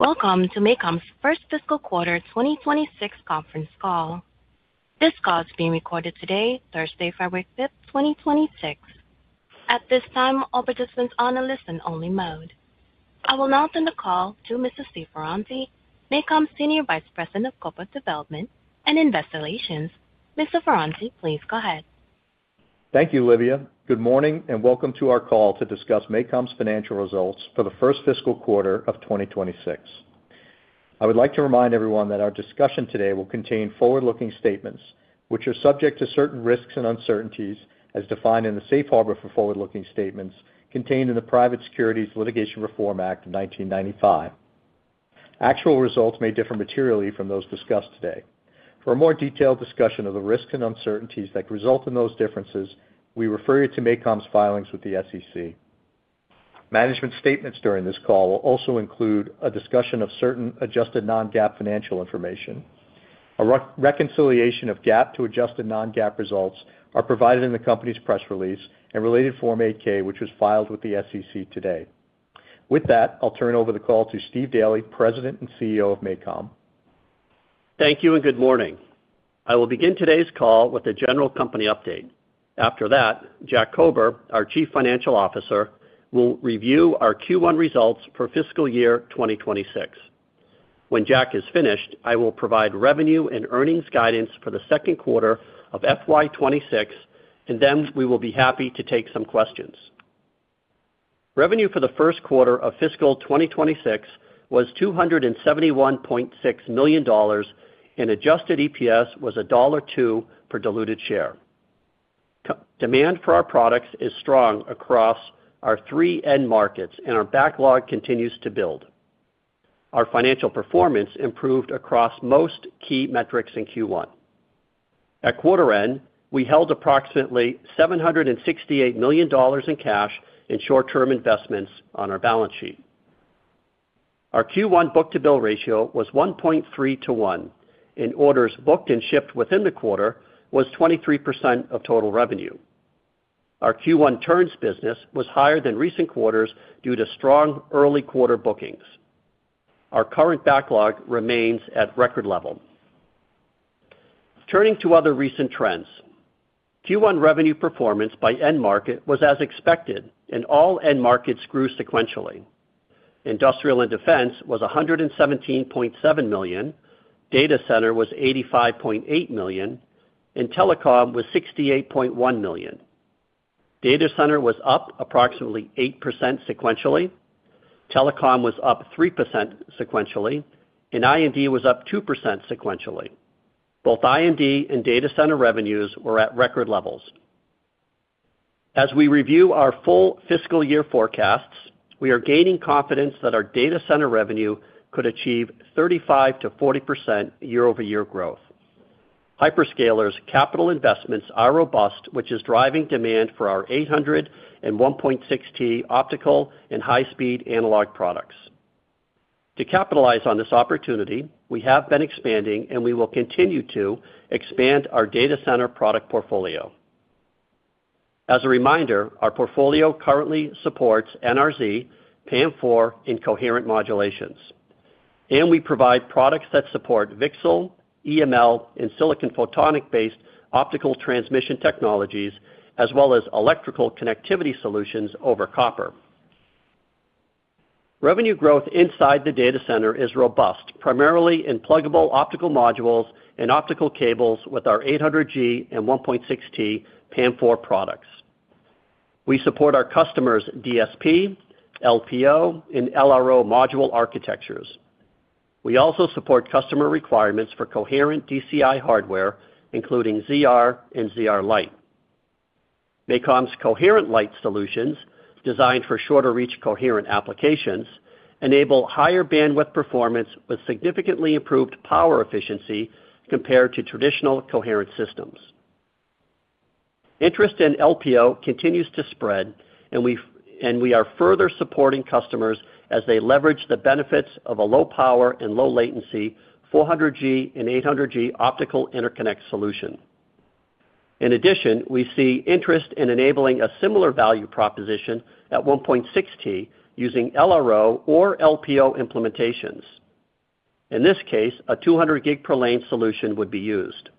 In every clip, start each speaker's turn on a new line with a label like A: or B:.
A: Welcome to MACOM's first fiscal quarter 2026 conference call. This call is being recorded today, Thursday, February 5th, 2026. At this time, all participants are in a listen-only mode. I will now turn the call to Mr. Steve Ferranti, MACOM's Senior Vice President of Corporate Development and Investor Relations. Mr. Ferranti, please go ahead.
B: Thank you, Olivier. Good morning and welcome to our call to discuss MACOM's financial results for the first fiscal quarter of 2026. I would like to remind everyone that our discussion today will contain forward-looking statements, which are subject to certain risks and uncertainties as defined in the safe harbor for forward-looking statements contained in the Private Securities Litigation Reform Act of 1995. Actual results may differ materially from those discussed today. For a more detailed discussion of the risks and uncertainties that result in those differences, we refer you to MACOM's filings with the SEC. Management statements during this call will also include a discussion of certain adjusted non-GAAP financial information. A reconciliation of GAAP to adjusted non-GAAP results are provided in the company's press release and related Form 8-K, which was filed with the SEC today. With that, I'll turn over the call to Steve Daley, President and CEO of MACOM.
C: Thank you and good morning. I will begin today's call with a general company update. After that, Jack Kober, our Chief Financial Officer, will review our Q1 results for fiscal year 2026. When Jack is finished, I will provide revenue and earnings guidance for the second quarter of FY26, and then we will be happy to take some questions. Revenue for the first quarter of fiscal 2026 was $271.6 million, and adjusted EPS was $1.2 per diluted share. Demand for our products is strong across our three end markets, and our backlog continues to build. Our financial performance improved across most key metrics in Q1. At quarter end, we held approximately $768 million in cash in short-term investments on our balance sheet. Our Q1 book-to-bill ratio was 1.3-to-1, and orders booked and shipped within the quarter was 23% of total revenue. Our Q1 turns business was higher than recent quarters due to strong early quarter bookings. Our current backlog remains at record level. Turning to other recent trends, Q1 revenue performance by end market was as expected, and all end markets grew sequentially. Industrial and Defense was $117.7 million, data center was $85.8 million, and telecom was $68.1 million. Data center was up approximately 8% sequentially, telecom was up 3% sequentially, and I&D was up 2% sequentially. Both I&D and data center revenues were at record levels. As we review our full fiscal year forecasts, we are gaining confidence that our data center revenue could achieve 35%-40% year-over-year growth. Hyperscalers' capital investments are robust, which is driving demand for our 800 and 1.6T optical and high-speed analog products. To capitalize on this opportunity, we have been expanding, and we will continue to expand our data center product portfolio. As a reminder, our portfolio currently supports NRZ, PAM4, and coherent modulations, and we provide products that support VCSEL, EML, and silicon photonic-based optical transmission technologies, as well as electrical connectivity solutions over copper. Revenue growth inside the data center is robust, primarily in pluggable optical modules and optical cables with our 800G and 1.6T PAM4 products. We support our customers' DSP, LPO, and LRO module architectures. We also support customer requirements for coherent DCI hardware, including ZR and ZR Lite. MACOM's coherent light solutions, designed for shorter-reach coherent applications, enable higher bandwidth performance with significantly improved power efficiency compared to traditional coherent systems. Interest in LPO continues to spread, and we are further supporting customers as they leverage the benefits of a low power and low latency 400G and 800G optical interconnect solution. In addition, we see interest in enabling a similar value proposition at 1.6T using LRO or LPO implementations. In this case, a 200G per lane solution would be used.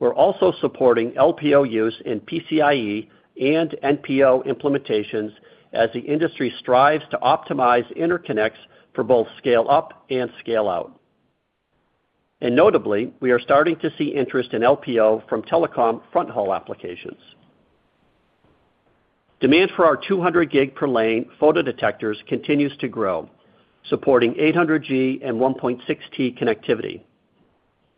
C: We're also supporting LPO use in PCIe and NPO implementations as the industry strives to optimize interconnects for both scale-up and scale-out. Notably, we are starting to see interest in LPO from telecom fronthaul applications. Demand for our 200G per lane photodetectors continues to grow, supporting 800G and 1.6T connectivity.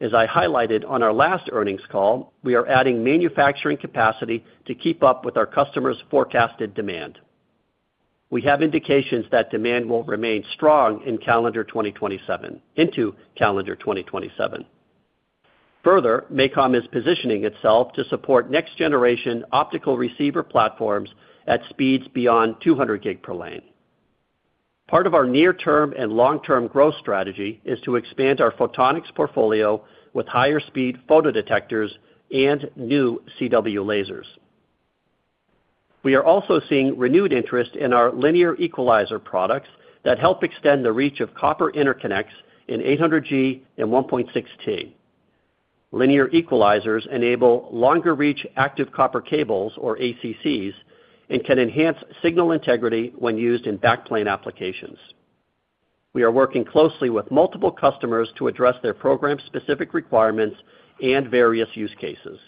C: As I highlighted on our last earnings call, we are adding manufacturing capacity to keep up with our customers' forecasted demand. We have indications that demand will remain strong into calendar 2027. Further, MACOM is positioning itself to support next-generation optical receiver platforms at speeds beyond 200G per lane. Part of our near-term and long-term growth strategy is to expand our photonics portfolio with higher-speed photodetectors and new CW lasers. We are also seeing renewed interest in our linear equalizer products that help extend the reach of copper interconnects in 800G and 1.6T. Linear equalizers enable longer-reach active copper cables, or ACCs, and can enhance signal integrity when used in backplane applications. We are working closely with multiple customers to address their program-specific requirements and various use cases.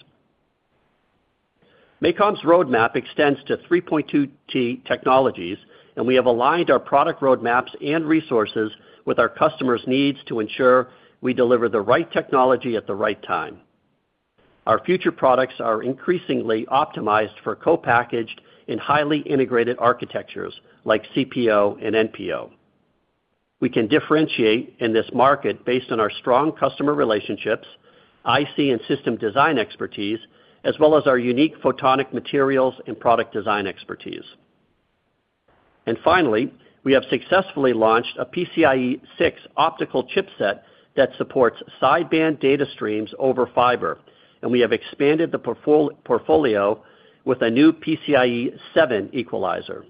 C: MACOM's roadmap extends to 3.2T technologies, and we have aligned our product roadmaps and resources with our customers' needs to ensure we deliver the right technology at the right time. Our future products are increasingly optimized for co-packaged and highly integrated architectures like CPO and NPO. We can differentiate in this market based on our strong customer relationships, IC and system design expertise, as well as our unique photonic materials and product design expertise. Finally, we have successfully launched a PCIe 6 optical chipset that supports sideband data streams over fiber, and we have expanded the portfolio with a new PCIe 7 equalizer.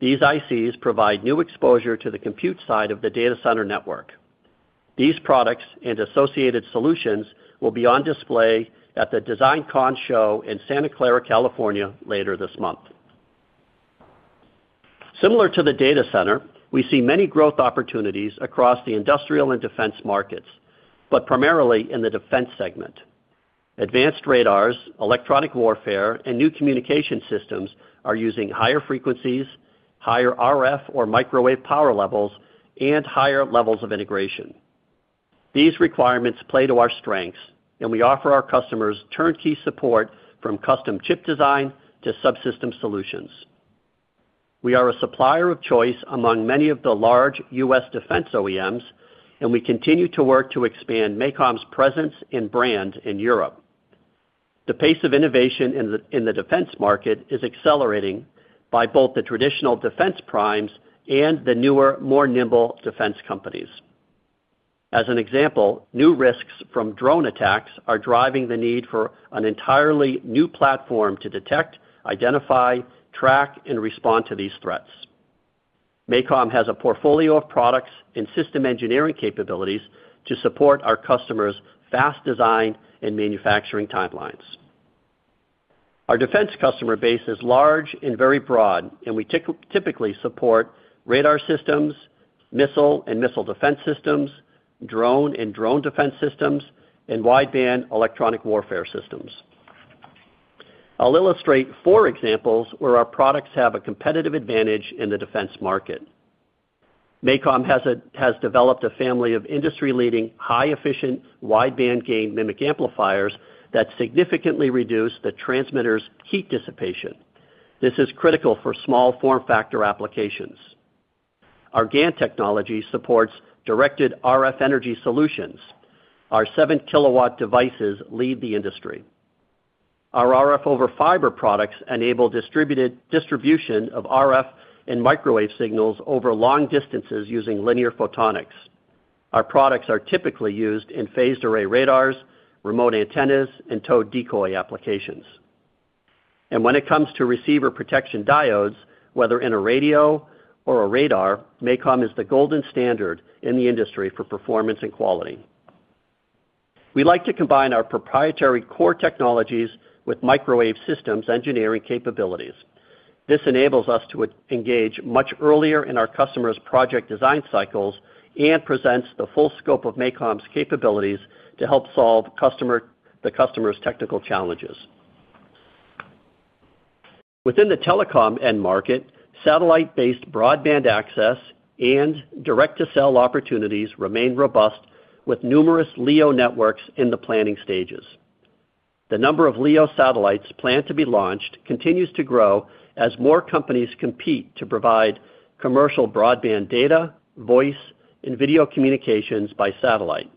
C: These ICs provide new exposure to the compute side of the data center network. These products and associated solutions will be on display at the DesignCon show in Santa Clara, California, later this month. Similar to the data center, we see many growth opportunities across the industrial and defense markets, but primarily in the defense segment. Advanced radars, electronic warfare, and new communication systems are using higher frequencies, higher RF or microwave power levels, and higher levels of integration. These requirements play to our strengths, and we offer our customers turnkey support from custom chip design to subsystem solutions. We are a supplier of choice among many of the large U.S. defense OEMs, and we continue to work to expand MACOM's presence and brand in Europe. The pace of innovation in the defense market is accelerating by both the traditional defense primes and the newer, more nimble defense companies. As an example, new risks from drone attacks are driving the need for an entirely new platform to detect, identify, track, and respond to these threats. MACOM has a portfolio of products and system engineering capabilities to support our customers' fast design and manufacturing timelines. Our defense customer base is large and very broad, and we typically support radar systems, missile and missile defense systems, drone and drone defense systems, and wideband electronic warfare systems. I'll illustrate four examples where our products have a competitive advantage in the defense market. MACOM has developed a family of industry-leading highly efficient wideband GaN MMIC amplifiers that significantly reduce the transmitter's heat dissipation. This is critical for small form factor applications. Our GaN technology supports directed RF energy solutions. Our 7 kW devices lead the industry. Our RF over fiber products enable distribution of RF and microwave signals over long distances using linear photonics. Our products are typically used in phased array radars, remote antennas, and towed decoy applications. When it comes to receiver protection diodes, whether in a radio or a radar, MACOM is the gold standard in the industry for performance and quality. We like to combine our proprietary core technologies with microwave systems engineering capabilities. This enables us to engage much earlier in our customers' project design cycles and presents the full scope of MACOM's capabilities to help solve the customer's technical challenges. Within the telecom end market, satellite-based broadband access and direct-to-cell opportunities remain robust with numerous LEO networks in the planning stages. The number of LEO satellites planned to be launched continues to grow as more companies compete to provide commercial broadband data, voice, and video communications by satellite.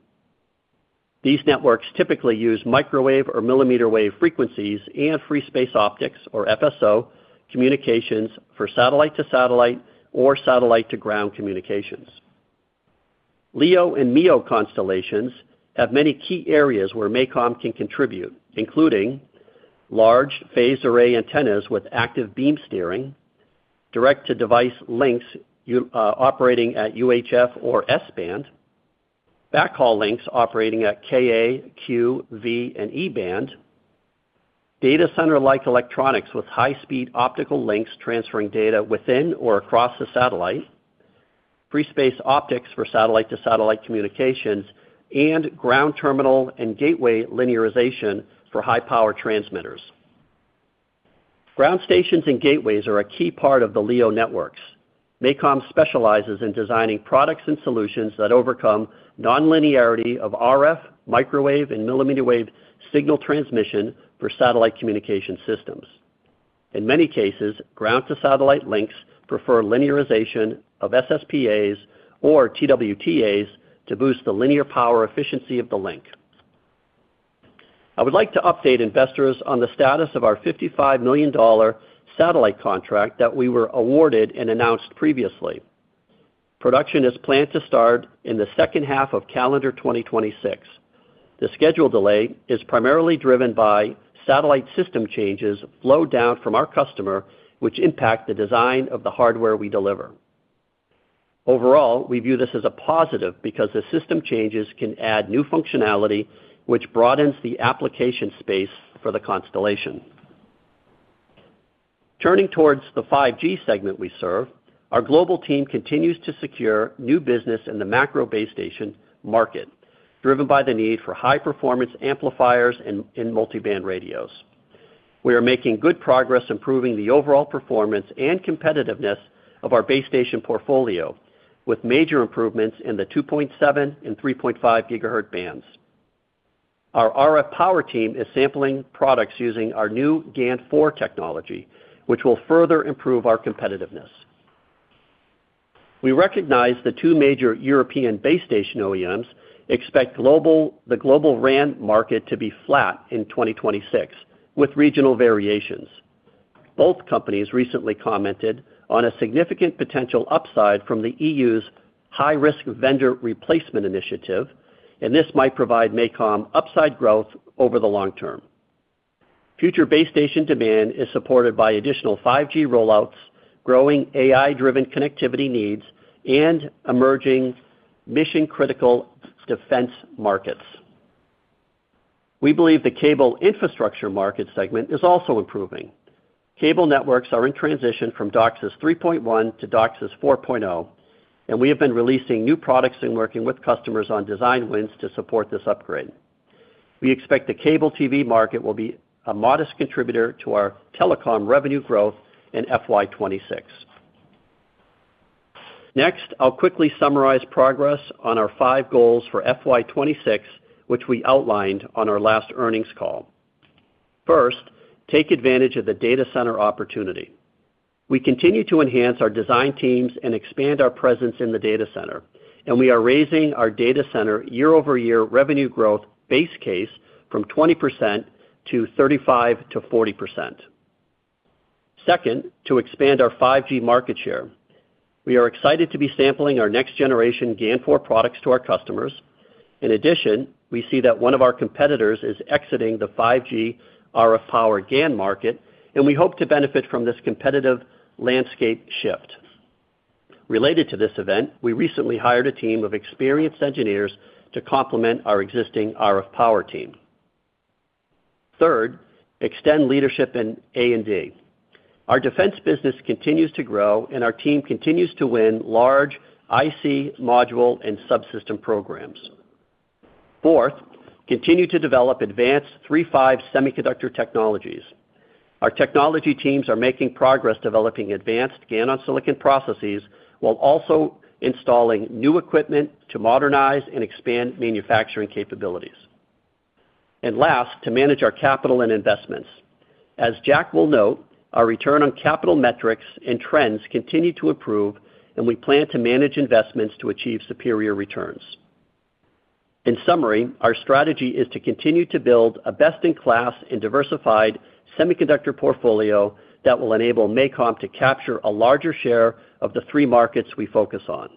C: These networks typically use microwave or millimeter wave frequencies and free space optics, or FSO, communications for satellite-to-satellite or satellite-to-ground communications. LEO and MEO constellations have many key areas where MACOM can contribute, including large phased array antennas with active beam steering, direct-to-device links operating at UHF or S-band, backhaul links operating at Ka-band, Q-band, V-band, and E-band, data center-like electronics with high-speed optical links transferring data within or across the satellite, free space optics for satellite-to-satellite communications, and ground terminal and gateway linearization for high-power transmitters. Ground stations and gateways are a key part of the LEO networks. MACOM specializes in designing products and solutions that overcome nonlinearity of RF, microwave, and millimeter wave signal transmission for satellite communication systems. In many cases, ground-to-satellite links prefer linearization of SSPAs or TWTAs to boost the linear power efficiency of the link. I would like to update investors on the status of our $55 million satellite contract that we were awarded and announced previously. Production is planned to start in the second half of calendar 2026. The schedule delay is primarily driven by satellite system changes flowed down from our customer, which impact the design of the hardware we deliver. Overall, we view this as a positive because the system changes can add new functionality, which broadens the application space for the constellation. Turning towards the 5G segment we serve, our global team continues to secure new business in the macro base station market, driven by the need for high-performance amplifiers and multiband radios. We are making good progress improving the overall performance and competitiveness of our base station portfolio, with major improvements in the 2.7 and 3.5 gigahertz bands. Our RF power team is sampling products using our new GaN 4 technology, which will further improve our competitiveness. We recognize the two major European base station OEMs expect the global RAN market to be flat in 2026, with regional variations. Both companies recently commented on a significant potential upside from the EU's high-risk vendor replacement initiative, and this might provide MACOM upside growth over the long term. Future base station demand is supported by additional 5G rollouts, growing AI-driven connectivity needs, and emerging mission-critical defense markets. We believe the cable infrastructure market segment is also improving. Cable networks are in transition from DOCSIS 3.1 to DOCSIS 4.0, and we have been releasing new products and working with customers on design wins to support this upgrade. We expect the cable TV market will be a modest contributor to our telecom revenue growth in FY26. Next, I'll quickly summarize progress on our five goals for FY26, which we outlined on our last earnings call. First, take advantage of the data center opportunity. We continue to enhance our design teams and expand our presence in the data center, and we are raising our data center year-over-year revenue growth base case from 20% to 35%-40%. Second, to expand our 5G market share. We are excited to be sampling our next-generation Gen 4 products to our customers. In addition, we see that one of our competitors is exiting the 5G RF power GaN market, and we hope to benefit from this competitive landscape shift. Related to this event, we recently hired a team of experienced engineers to complement our existing RF power team. Third, extend leadership in A&D. Our defense business continues to grow, and our team continues to win large IC, module, and subsystem programs. Fourth, continue to develop advanced GaN semiconductor technologies. Our technology teams are making progress developing advanced GaN-on-silicon processes while also installing new equipment to modernize and expand manufacturing capabilities. And last, to manage our capital and investments. As Jack will note, our return on capital metrics and trends continue to improve, and we plan to manage investments to achieve superior returns. In summary, our strategy is to continue to build a best-in-class and diversified semiconductor portfolio that will enable MACOM to capture a larger share of the three markets we focus on.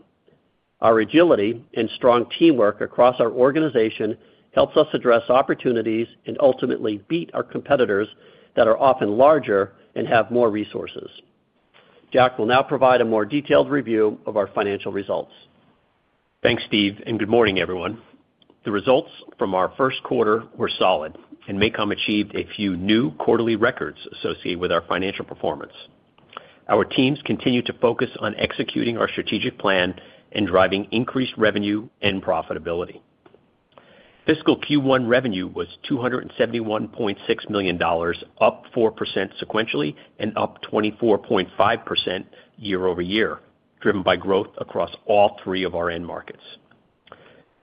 C: Our agility and strong teamwork across our organization helps us address opportunities and ultimately beat our competitors that are often larger and have more resources. Jack will now provide a more detailed review of our financial results.
B: Thanks, Steve, and good morning, everyone. The results from our first quarter were solid, and MACOM achieved a few new quarterly records associated with our financial performance. Our teams continue to focus on executing our strategic plan and driving increased revenue and profitability. Fiscal Q1 revenue was $271.6 million, up 4% sequentially and up 24.5% year-over-year, driven by growth across all three of our end markets.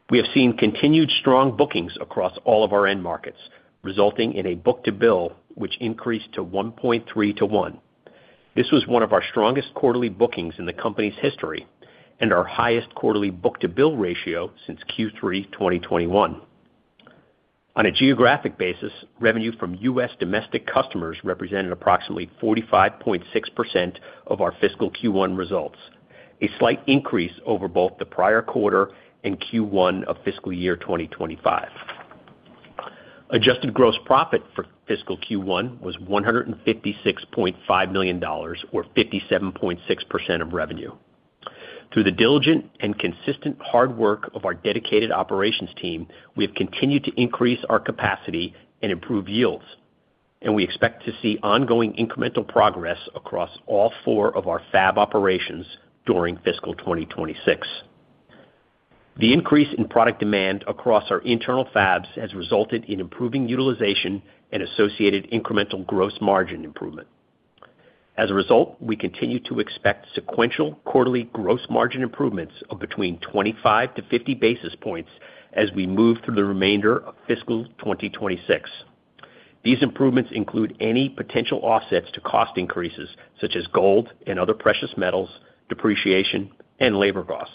B: We have seen continued strong bookings across all of our end markets, resulting in a book-to-bill which increased to 1.3 to 1. This was one of our strongest quarterly bookings in the company's history and our highest quarterly book-to-bill ratio since Q3 2021. On a geographic basis, revenue from U.S. domestic customers represented approximately 45.6% of our fiscal Q1 results, a slight increase over both the prior quarter and Q1 of fiscal year 2025. Adjusted gross profit for fiscal Q1 was $156.5 million, or 57.6% of revenue. Through the diligent and consistent hard work of our dedicated operations team, we have continued to increase our capacity and improve yields, and we expect to see ongoing incremental progress across all four of our fab operations during fiscal 2026. The increase in product demand across our internal fabs has resulted in improving utilization and associated incremental gross margin improvement. As a result, we continue to expect sequential quarterly gross margin improvements of between 25-50 basis points as we move through the remainder of fiscal 2026. These improvements include any potential offsets to cost increases such as gold and other precious metals, depreciation, and labor costs.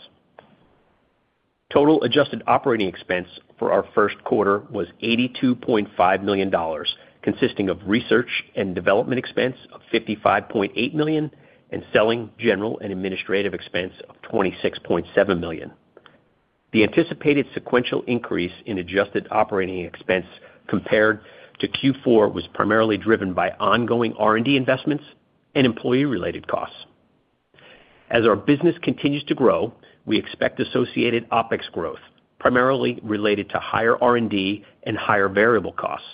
B: Total adjusted operating expense for our first quarter was $82.5 million, consisting of research and development expense of $55.8 million and selling, general, and administrative expense of $26.7 million. The anticipated sequential increase in adjusted operating expense compared to Q4 was primarily driven by ongoing R&D investments and employee-related costs. As our business continues to grow, we expect associated OPEX growth, primarily related to higher R&D and higher variable costs.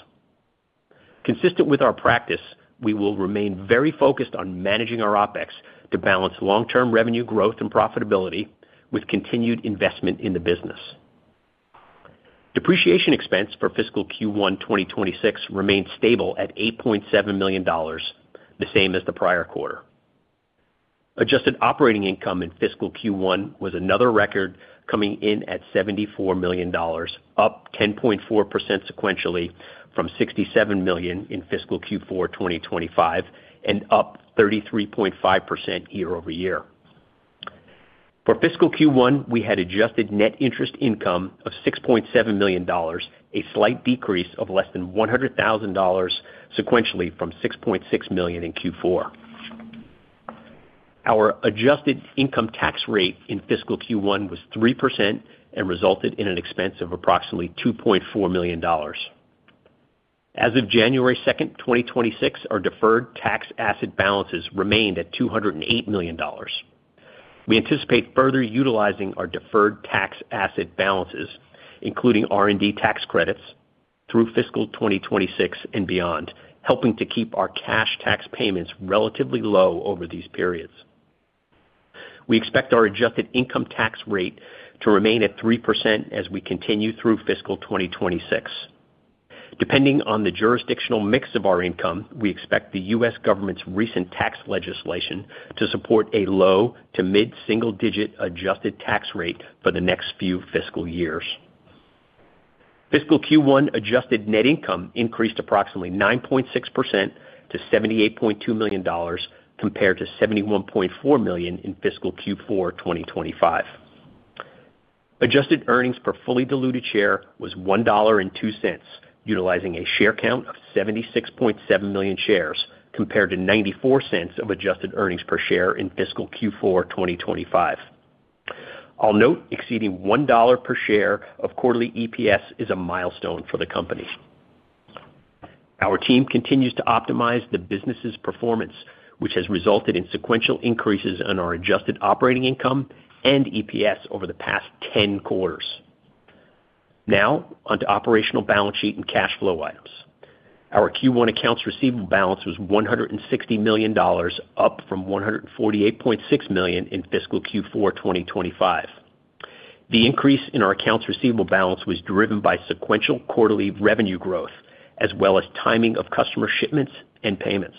B: Consistent with our practice, we will remain very focused on managing our OPEX to balance long-term revenue growth and profitability with continued investment in the business. Depreciation expense for fiscal Q1 2026 remained stable at $8.7 million, the same as the prior quarter. Adjusted operating income in fiscal Q1 was another record, coming in at $74 million, up 10.4% sequentially from $67 million in fiscal Q4 2025 and up 33.5% year-over-year. For fiscal Q1, we had adjusted net interest income of $6.7 million, a slight decrease of less than $100,000 sequentially from $6.6 million in Q4. Our adjusted income tax rate in fiscal Q1 was 3% and resulted in an expense of approximately $2.4 million. As of January 2, 2026, our deferred tax asset balances remained at $208 million. We anticipate further utilizing our deferred tax asset balances, including R&D tax credits, through fiscal 2026 and beyond, helping to keep our cash tax payments relatively low over these periods. We expect our adjusted income tax rate to remain at 3% as we continue through fiscal 2026. Depending on the jurisdictional mix of our income, we expect the U.S. government's recent tax legislation to support a low to mid-single-digit adjusted tax rate for the next few fiscal years. Fiscal Q1 adjusted net income increased approximately 9.6% to $78.2 million compared to $71.4 million in fiscal Q4 2025. Adjusted earnings per fully diluted share was $1.02, utilizing a share count of 76.7 million shares compared to $0.94 of adjusted earnings per share in fiscal Q4 2025. I'll note exceeding $1 per share of quarterly EPS is a milestone for the company. Our team continues to optimize the business's performance, which has resulted in sequential increases in our adjusted operating income and EPS over the past 10 quarters. Now, onto operational balance sheet and cash flow items. Our Q1 accounts receivable balance was $160 million, up from $148.6 million in fiscal Q4 2025. The increase in our accounts receivable balance was driven by sequential quarterly revenue growth as well as timing of customer shipments and payments.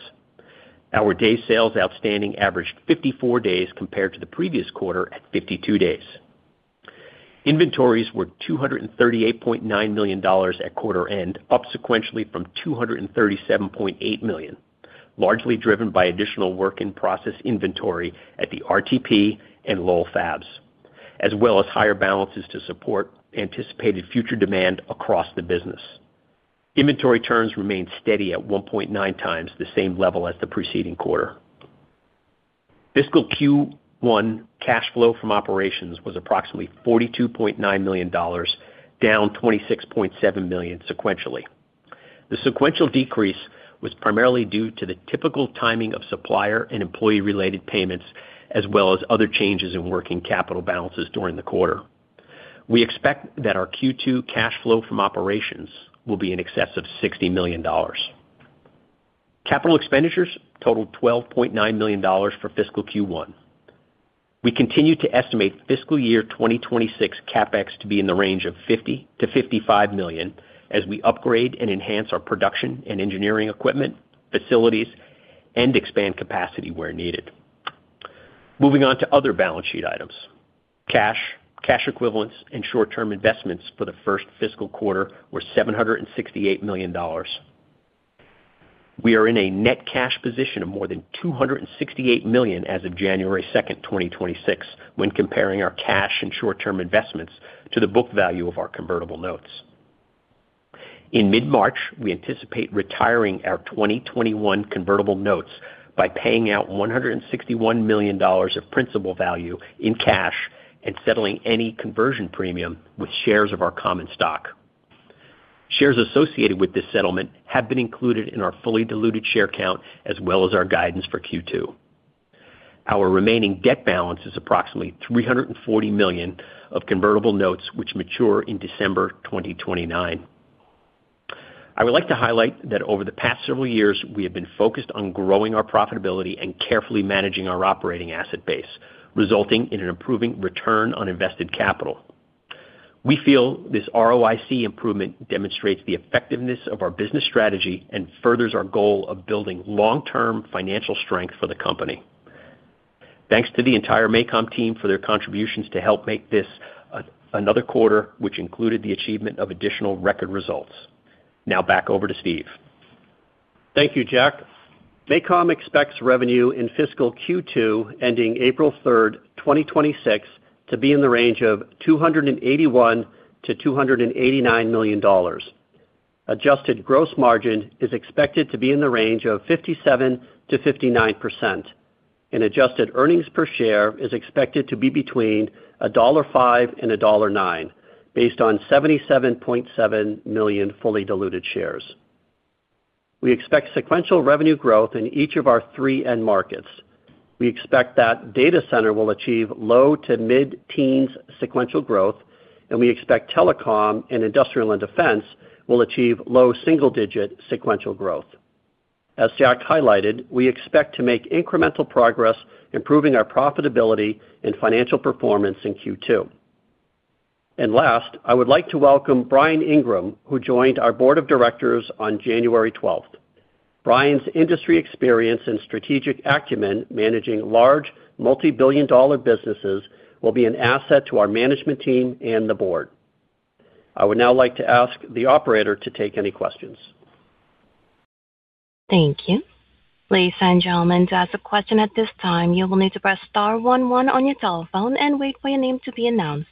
B: Our day sales outstanding averaged 54 days compared to the previous quarter at 52 days. Inventories were $238.9 million at quarter end, up sequentially from $237.8 million, largely driven by additional work-in-process inventory at the RTP and Lowell fabs, as well as higher balances to support anticipated future demand across the business. Inventory turns remained steady at 1.9 times the same level as the preceding quarter. Fiscal Q1 cash flow from operations was approximately $42.9 million, down $26.7 million sequentially. The sequential decrease was primarily due to the typical timing of supplier and employee-related payments as well as other changes in working capital balances during the quarter. We expect that our Q2 cash flow from operations will be in excess of $60 million. Capital expenditures totaled $12.9 million for fiscal Q1. We continue to estimate fiscal year 2026 CAPEX to be in the range of $50-$55 million as we upgrade and enhance our production and engineering equipment, facilities, and expand capacity where needed. Moving on to other balance sheet items. Cash, cash equivalents, and short-term investments for the first fiscal quarter were $768 million. We are in a net cash position of more than $268 million as of January 2, 2026, when comparing our cash and short-term investments to the book value of our convertible notes. In mid-March, we anticipate retiring our 2021 convertible notes by paying out $161 million of principal value in cash and settling any conversion premium with shares of our common stock. Shares associated with this settlement have been included in our fully diluted share count as well as our guidance for Q2. Our remaining debt balance is approximately $340 million of convertible notes, which mature in December 2029. I would like to highlight that over the past several years, we have been focused on growing our profitability and carefully managing our operating asset base, resulting in an improving return on invested capital. We feel this ROIC improvement demonstrates the effectiveness of our business strategy and furthers our goal of building long-term financial strength for the company. Thanks to the entire MACOM team for their contributions to help make this another quarter, which included the achievement of additional record results. Now back over to Steve.
C: Thank you, Jack. MACOM expects revenue in fiscal Q2 ending April 3, 2026, to be in the range of $281-$289 million. Adjusted gross margin is expected to be in the range of 57%-59%, and adjusted earnings per share is expected to be between $1.05 and $1.09 based on 77.7 million fully diluted shares. We expect sequential revenue growth in each of our three end markets. We expect that data center will achieve low to mid-teens sequential growth, and we expect telecom and industrial and defense will achieve low single-digit sequential growth. As Jack highlighted, we expect to make incremental progress improving our profitability and financial performance in Q2. And last, I would like to welcome Brian Ingram, who joined our board of directors on January 12th. Brian's industry experience and strategic acumen managing large, multi-billion-dollar businesses will be an asset to our management team and the board. I would now like to ask the operator to take any questions.
A: Thank you. Ladies and gentlemen, to ask a question at this time, you will need to press star 11 on your telephone and wait for your name to be announced.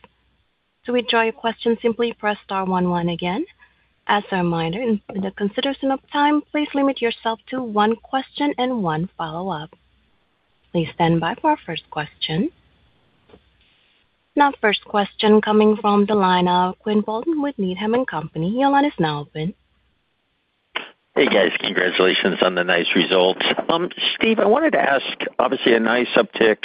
A: To withdraw your question, simply press star 11 again. As a reminder, in the consideration of time, please limit yourself to one question and one follow-up. Please stand by for our first question. Now, first question coming from the line of Quinn Bolton with Needham & Company. Your line is now open.
D: Hey, guys. Congratulations on the nice results. Steve, I wanted to ask, obviously, a nice uptick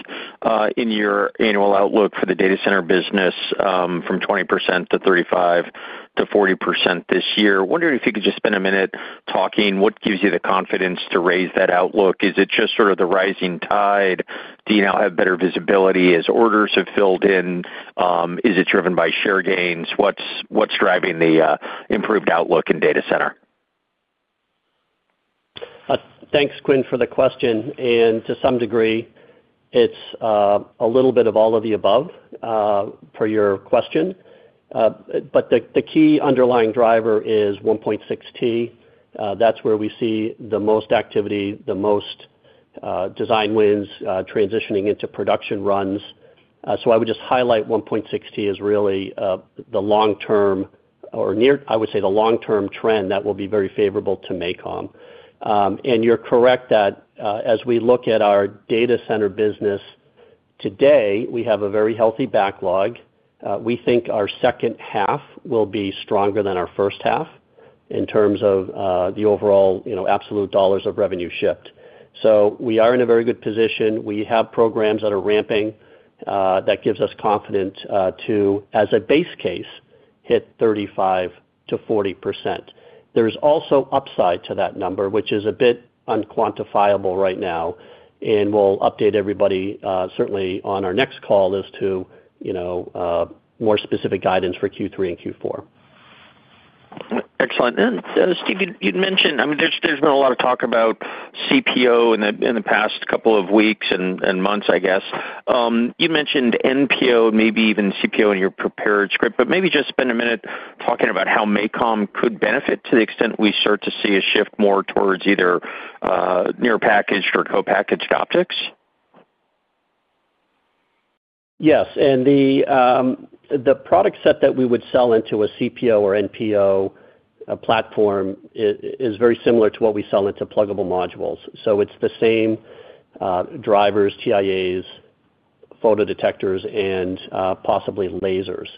D: in your annual outlook for the data center business from 20% to 35%-40% this year. Wondering if you could just spend a minute talking. What gives you the confidence to raise that outlook? Is it just sort of the rising tide? Do you now have better visibility? Has orders have filled in? Is it driven by share gains? What's driving the improved outlook in data center?
C: Thanks, Quinn, for the question. And to some degree, it's a little bit of all of the above for your question. But the key underlying driver is 1.6T. That's where we see the most activity, the most design wins, transitioning into production runs. So I would just highlight 1.6T as really the long-term or, I would say, the long-term trend that will be very favorable to MACOM. And you're correct that as we look at our data center business today, we have a very healthy backlog. We think our second half will be stronger than our first half in terms of the overall absolute dollars of revenue shipped. So we are in a very good position. We have programs that are ramping that gives us confidence to, as a base case, hit 35%-40%. There's also upside to that number, which is a bit unquantifiable right now. We'll update everybody, certainly on our next call, as to more specific guidance for Q3 and Q4.
D: Excellent. Steve, you'd mentioned I mean, there's been a lot of talk about CPO in the past couple of weeks and months, I guess. You mentioned NPO and maybe even CPO in your prepared script. Maybe just spend a minute talking about how MACOM could benefit to the extent we start to see a shift more towards either Near-Packaged or Co-Packaged Optics?
C: Yes. The product set that we would sell into a CPO or NPO platform is very similar to what we sell into pluggable modules. It's the same drivers, TIAs, photodetectors, and possibly lasers.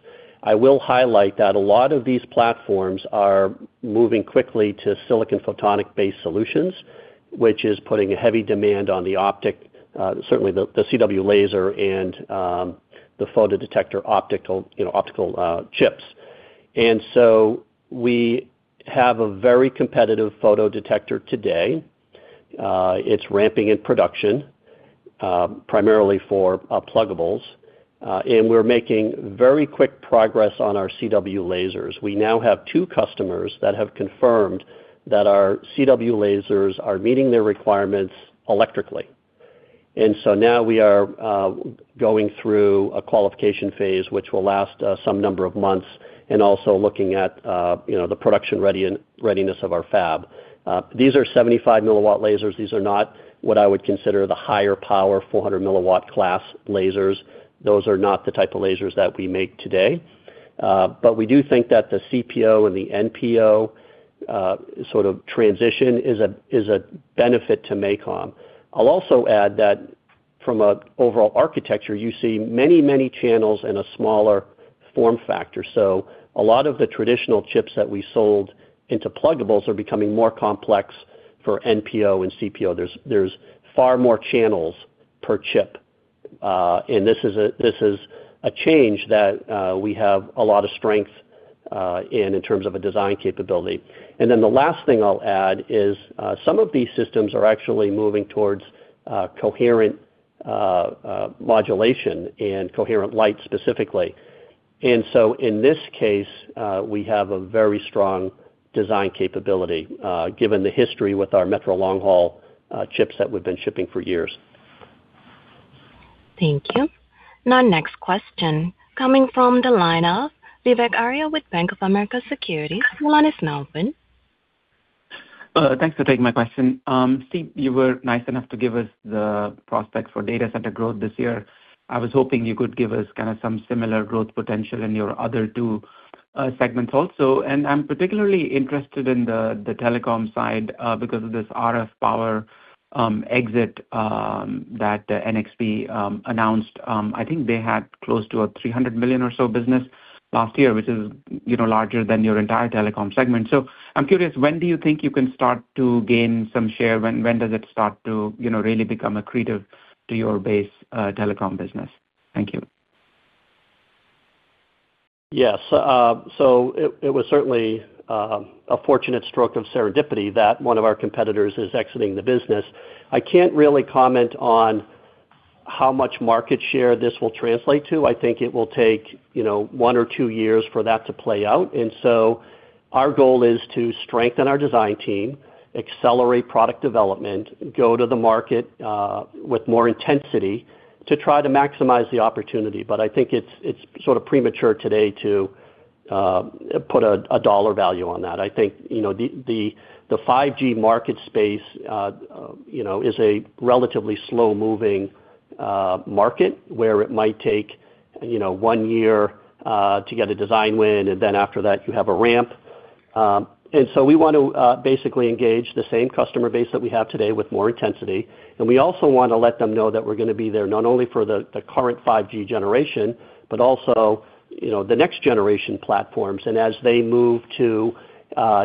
C: I will highlight that a lot of these platforms are moving quickly to silicon photonics-based solutions, which is putting a heavy demand on the optic, certainly the CW laser and the photodetector optical chips. We have a very competitive photodetector today. It's ramping in production, primarily for pluggables. We're making very quick progress on our CW lasers. We now have 2 customers that have confirmed that our CW lasers are meeting their requirements electrically. Now we are going through a qualification phase, which will last some number of months, and also looking at the production readiness of our fab. These are 75-milliwatt lasers. These are not what I would consider the higher-power, 400-milliwatt-class lasers. Those are not the type of lasers that we make today. But we do think that the CPO and the NPO sort of transition is a benefit to MACOM. I'll also add that from an overall architecture, you see many, many channels and a smaller form factor. So a lot of the traditional chips that we sold into pluggables are becoming more complex for NPO and CPO. There's far more channels per chip. And this is a change that we have a lot of strength in terms of a design capability. And then the last thing I'll add is some of these systems are actually moving towards coherent modulation and coherent light, specifically. And so in this case, we have a very strong design capability given the history with our Metro Longhaul chips that we've been shipping for years.
A: Thank you. Now, next question. Coming from the line of Vivek Arya with Bank of America Securities. Your line is now open.
E: Thanks for taking my question. Steve, you were nice enough to give us the prospects for data center growth this year. I was hoping you could give us kind of some similar growth potential in your other two segments also. I'm particularly interested in the telecom side because of this RF Power exit that NXP announced. I think they had close to a $300 million or so business last year, which is larger than your entire telecom segment. I'm curious, when do you think you can start to gain some share? When does it start to really become accretive to your base telecom business? Thank you.
C: Yes. So it was certainly a fortunate stroke of serendipity that one of our competitors is exiting the business. I can't really comment on how much market share this will translate to. I think it will take 1 or 2 years for that to play out. And so our goal is to strengthen our design team, accelerate product development, go to the market with more intensity to try to maximize the opportunity. But I think it's sort of premature today to put a dollar value on that. I think the 5G market space is a relatively slow-moving market where it might take 1 year to get a design win, and then after that, you have a ramp. And so we want to basically engage the same customer base that we have today with more intensity. We also want to let them know that we're going to be there not only for the current 5G generation but also the next generation platforms. As they move to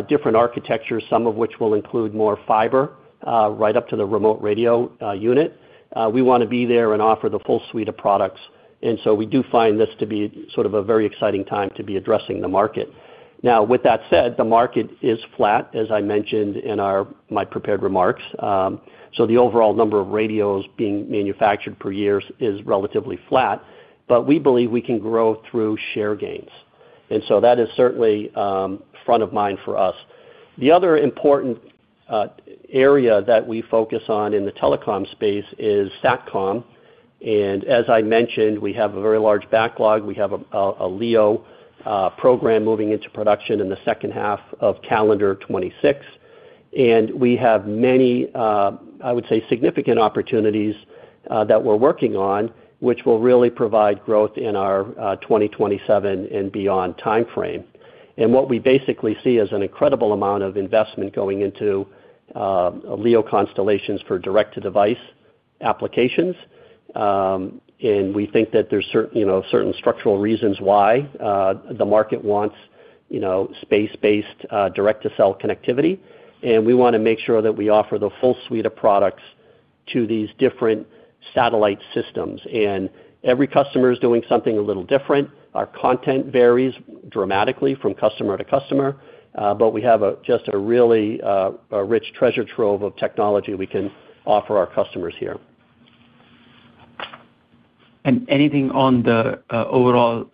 C: different architectures, some of which will include more fiber right up to the remote radio unit, we want to be there and offer the full suite of products. So we do find this to be sort of a very exciting time to be addressing the market. Now, with that said, the market is flat, as I mentioned in my prepared remarks. The overall number of radios being manufactured per years is relatively flat. We believe we can grow through share gains. That is certainly front of mind for us. The other important area that we focus on in the telecom space is SATCOM. As I mentioned, we have a very large backlog. We have a LEO program moving into production in the second half of calendar 2026. And we have many, I would say, significant opportunities that we're working on, which will really provide growth in our 2027 and beyond time frame. And what we basically see is an incredible amount of investment going into LEO constellations for direct-to-device applications. And we think that there's certain structural reasons why the market wants space-based direct-to-cell connectivity. And we want to make sure that we offer the full suite of products to these different satellite systems. And every customer is doing something a little different. Our content varies dramatically from customer to customer. But we have just a really rich treasure trove of technology we can offer our customers here.
E: And anything on the overall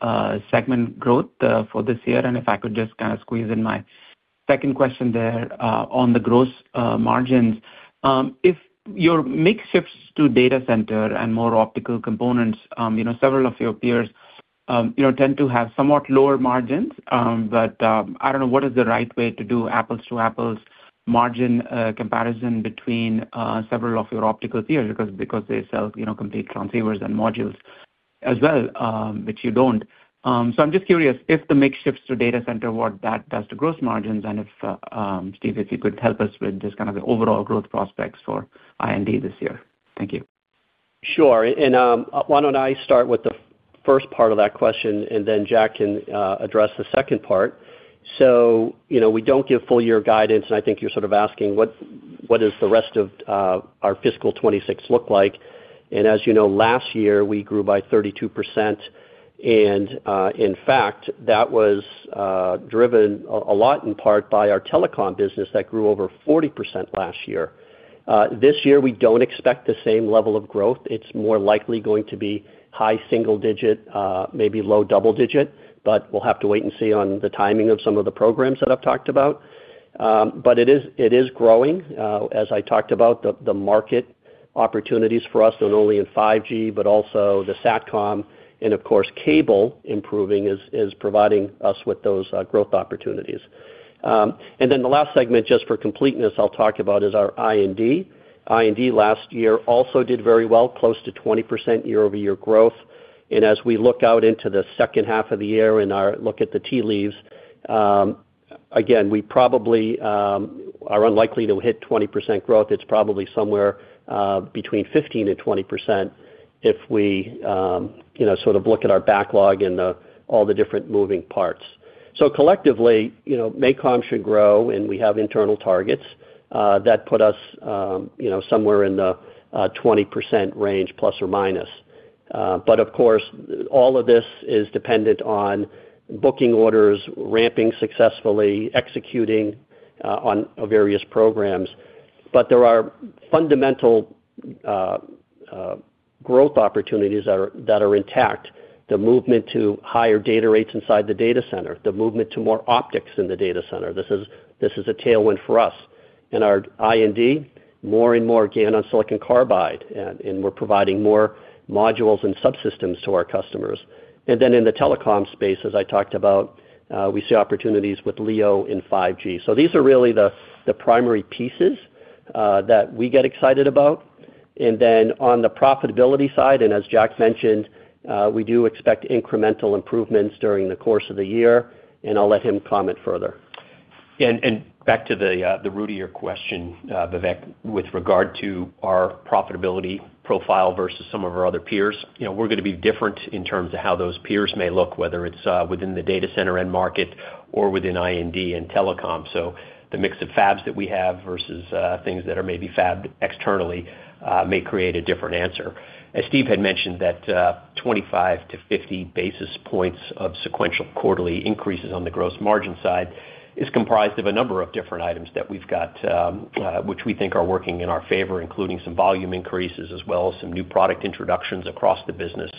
E: segment growth for this year? And if I could just kind of squeeze in my second question there on the gross margins. If your mix shifts to data center and more optical components, several of your peers tend to have somewhat lower margins. But I don't know. What is the right way to do apples-to-apples margin comparison between several of your optical peers? Because they sell complete transceivers and modules as well, which you don't. So I'm just curious, if the mix shifts to data center, what that does to gross margins? And if, Steve, if you could help us with just kind of the overall growth prospects for I&D this year. Thank you.
C: Sure. And why don't I start with the first part of that question, and then Jack can address the second part? So we don't give full-year guidance. And I think you're sort of asking, what does the rest of our fiscal 2026 look like? And as you know, last year, we grew by 32%. And in fact, that was driven a lot in part by our telecom business that grew over 40% last year. This year, we don't expect the same level of growth. It's more likely going to be high single-digit, maybe low double-digit. But we'll have to wait and see on the timing of some of the programs that I've talked about. But it is growing. As I talked about, the market opportunities for us, not only in 5G but also the SATCOM and, of course, cable improving is providing us with those growth opportunities. Then the last segment, just for completeness, I'll talk about is our I&D. I&D last year also did very well, close to 20% year-over-year growth. As we look out into the second half of the year and look at the tea leaves, again, we probably are unlikely to hit 20% growth. It's probably somewhere between 15%-20% if we sort of look at our backlog and all the different moving parts. So collectively, MACOM should grow. We have internal targets that put us somewhere in the 20% range plus or minus. But of course, all of this is dependent on booking orders, ramping successfully, executing on various programs. But there are fundamental growth opportunities that are intact: the movement to higher data rates inside the data center, the movement to more optics in the data center. This is a tailwind for us. In our I&D, more and more GaN on silicon carbide. We're providing more modules and subsystems to our customers. Then in the telecom space, as I talked about, we see opportunities with LEO in 5G. So these are really the primary pieces that we get excited about. Then on the profitability side, as Jack mentioned, we do expect incremental improvements during the course of the year. I'll let him comment further.
D: Back to the root of your question, Vivek, with regard to our profitability profile versus some of our other peers, we're going to be different in terms of how those peers may look, whether it's within the data center and market or within I&D and telecom. So the mix of fabs that we have versus things that are maybe fabbed externally may create a different answer. As Steve had mentioned, that 25-50 basis points of sequential quarterly increases on the gross margin side is comprised of a number of different items that we've got, which we think are working in our favor, including some volume increases as well as some new product introductions across the business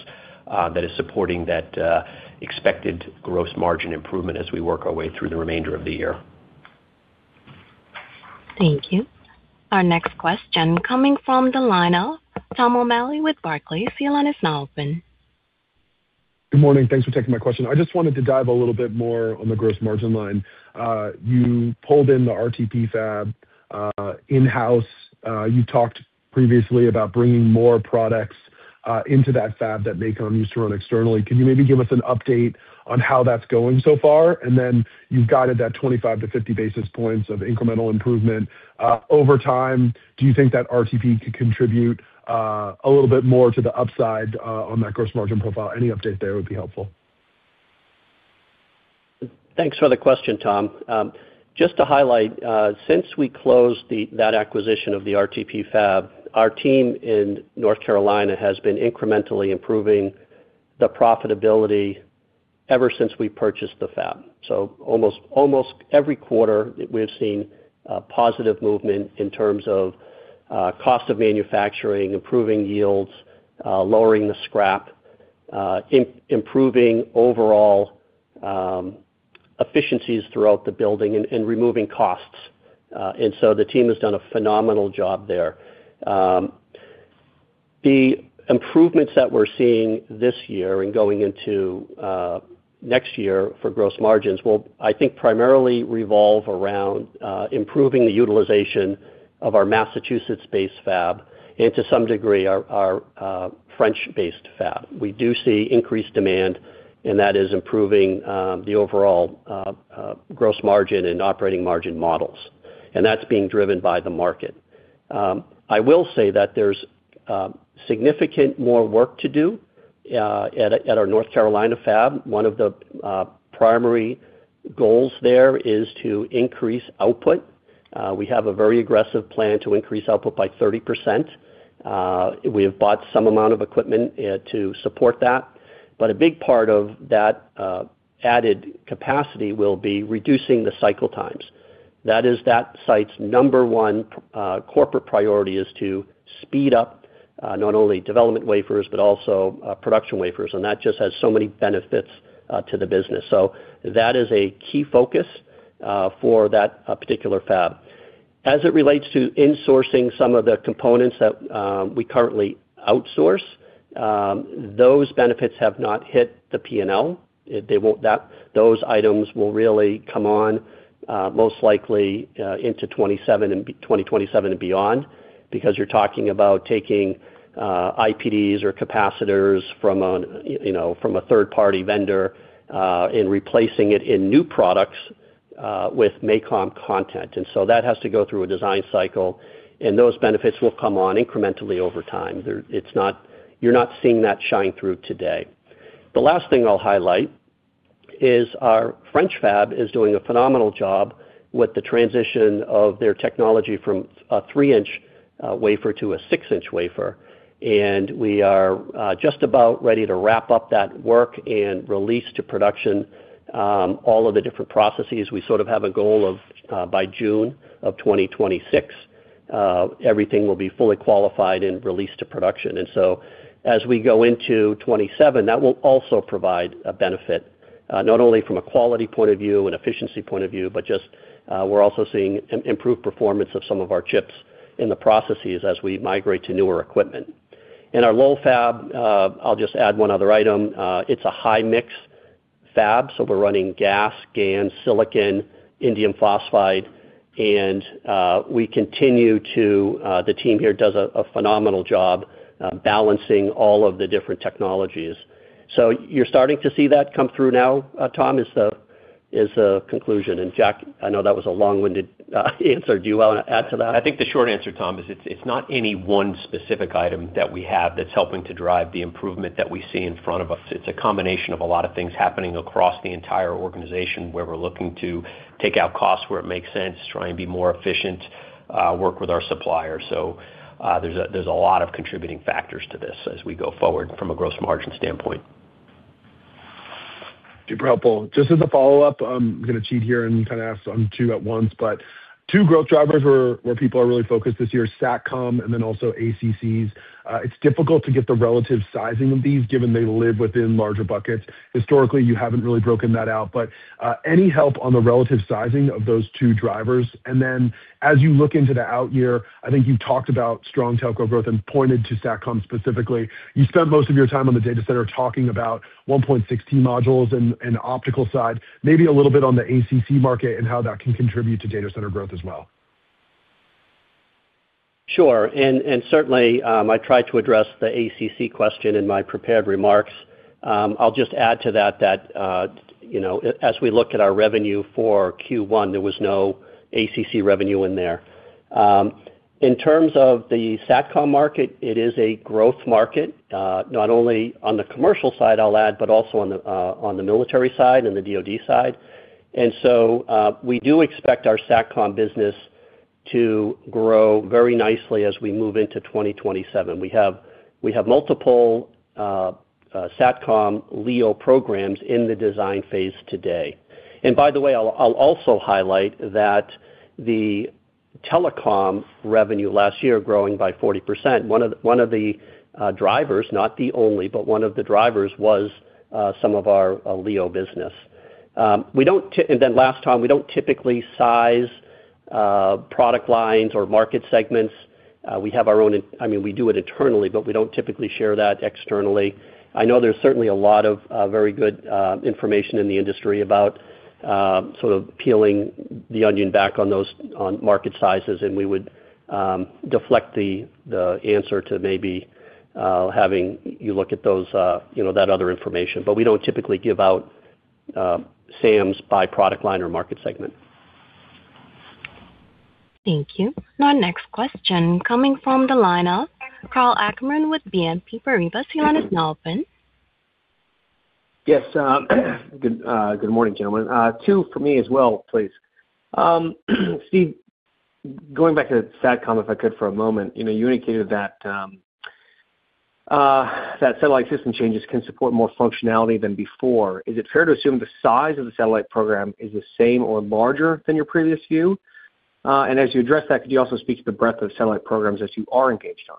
D: that is supporting that expected gross margin improvement as we work our way through the remainder of the year.
A: Thank you. Our next question. Coming from the line of Tom O'Malley with Barclays. Your line is now open.
F: Good morning. Thanks for taking my question. I just wanted to dive a little bit more on the gross margin line. You pulled in the RTP fab in-house. You talked previously about bringing more products into that fab that MACOM used to run externally. Can you maybe give us an update on how that's going so far? And then you've guided that 25-50 basis points of incremental improvement. Over time, do you think that RTP could contribute a little bit more to the upside on that gross margin profile? Any update there would be helpful.
C: Thanks for the question, Tom. Just to highlight, since we closed that acquisition of the RTP fab, our team in North Carolina has been incrementally improving the profitability ever since we purchased the fab. So almost every quarter, we've seen positive movement in terms of cost of manufacturing, improving yields, lowering the scrap, improving overall efficiencies throughout the building, and removing costs. And so the team has done a phenomenal job there. The improvements that we're seeing this year and going into next year for gross margins will, I think, primarily revolve around improving the utilization of our Massachusetts-based fab and, to some degree, our French-based fab. We do see increased demand. And that is improving the overall gross margin and operating margin models. And that's being driven by the market. I will say that there's significant more work to do at our North Carolina fab. One of the primary goals there is to increase output. We have a very aggressive plan to increase output by 30%. We have bought some amount of equipment to support that. But a big part of that added capacity will be reducing the cycle times. That is, that site's number one corporate priority is to speed up not only development wafers but also production wafers. And that just has so many benefits to the business. So that is a key focus for that particular fab. As it relates to insourcing some of the components that we currently outsource, those benefits have not hit the P&L. Those items will really come on most likely into 2027 and beyond because you're talking about taking IPDs or capacitors from a third-party vendor and replacing it in new products with MACOM content. And so that has to go through a design cycle. Those benefits will come on incrementally over time. You're not seeing that shine through today. The last thing I'll highlight is our French fab is doing a phenomenal job with the transition of their technology from a 3-inch wafer to a 6-inch wafer. We are just about ready to wrap up that work and release to production all of the different processes. We sort of have a goal of, by June of 2026, everything will be fully qualified and released to production. So as we go into 2027, that will also provide a benefit not only from a quality point of view, an efficiency point of view, but just we're also seeing improved performance of some of our chips in the processes as we migrate to newer equipment. In our Lowell fab, I'll just add one other item. It's a high-mix fab. So we're running GaAs, GaN, silicon, indium phosphide. And we continue to the team here does a phenomenal job balancing all of the different technologies. So you're starting to see that come through now, Tom, is the conclusion. And Jack, I know that was a long-winded answer. Do you want to add to that? I think the short answer, Tom, is it's not any one specific item that we have that's helping to drive the improvement that we see in front of us. It's a combination of a lot of things happening across the entire organization where we're looking to take out costs where it makes sense, try and be more efficient, work with our suppliers. There's a lot of contributing factors to this as we go forward from a gross margin standpoint.
F: Super helpful. Just as a follow-up, I'm going to cheat here and kind of ask on two at once. Two growth drivers where people are really focused this year are SATCOM and then also ACCs. It's difficult to get the relative sizing of these given they live within larger buckets. Historically, you haven't really broken that out. Any help on the relative sizing of those two drivers? Then as you look into the out year, I think you've talked about strong telco growth and pointed to SATCOM specifically. You spent most of your time on the data center talking about 1.6T modules and optical side, maybe a little bit on the ACC market and how that can contribute to data center growth as well.
C: Sure. Certainly, I tried to address the ACC question in my prepared remarks. I'll just add to that that as we look at our revenue for Q1, there was no ACC revenue in there. In terms of the SATCOM market, it is a growth market not only on the commercial side, I'll add, but also on the military side and the DOD side. So we do expect our SATCOM business to grow very nicely as we move into 2027. We have multiple SATCOM LEO programs in the design phase today. By the way, I'll also highlight that the telecom revenue last year growing by 40%. One of the drivers, not the only, but one of the drivers was some of our LEO business. Then last time, we don't typically size product lines or market segments. We have our own. I mean, we do it internally, but we don't typically share that externally. I know there's certainly a lot of very good information in the industry about sort of peeling the onion back on market sizes. We would deflect the answer to maybe having you look at that other information. We don't typically give out SAMs by product line or market segment.
A: Thank you. Our next question. Coming from the line of Karl Ackerman with BNP Paribas. Your line is now open.
G: Yes. Good morning, gentlemen. Two for me as well, please. Steve, going back to SATCOM, if I could, for a moment, you indicated that satellite system changes can support more functionality than before. Is it fair to assume the size of the satellite program is the same or larger than your previous view? And as you address that, could you also speak to the breadth of satellite programs that you are engaged on?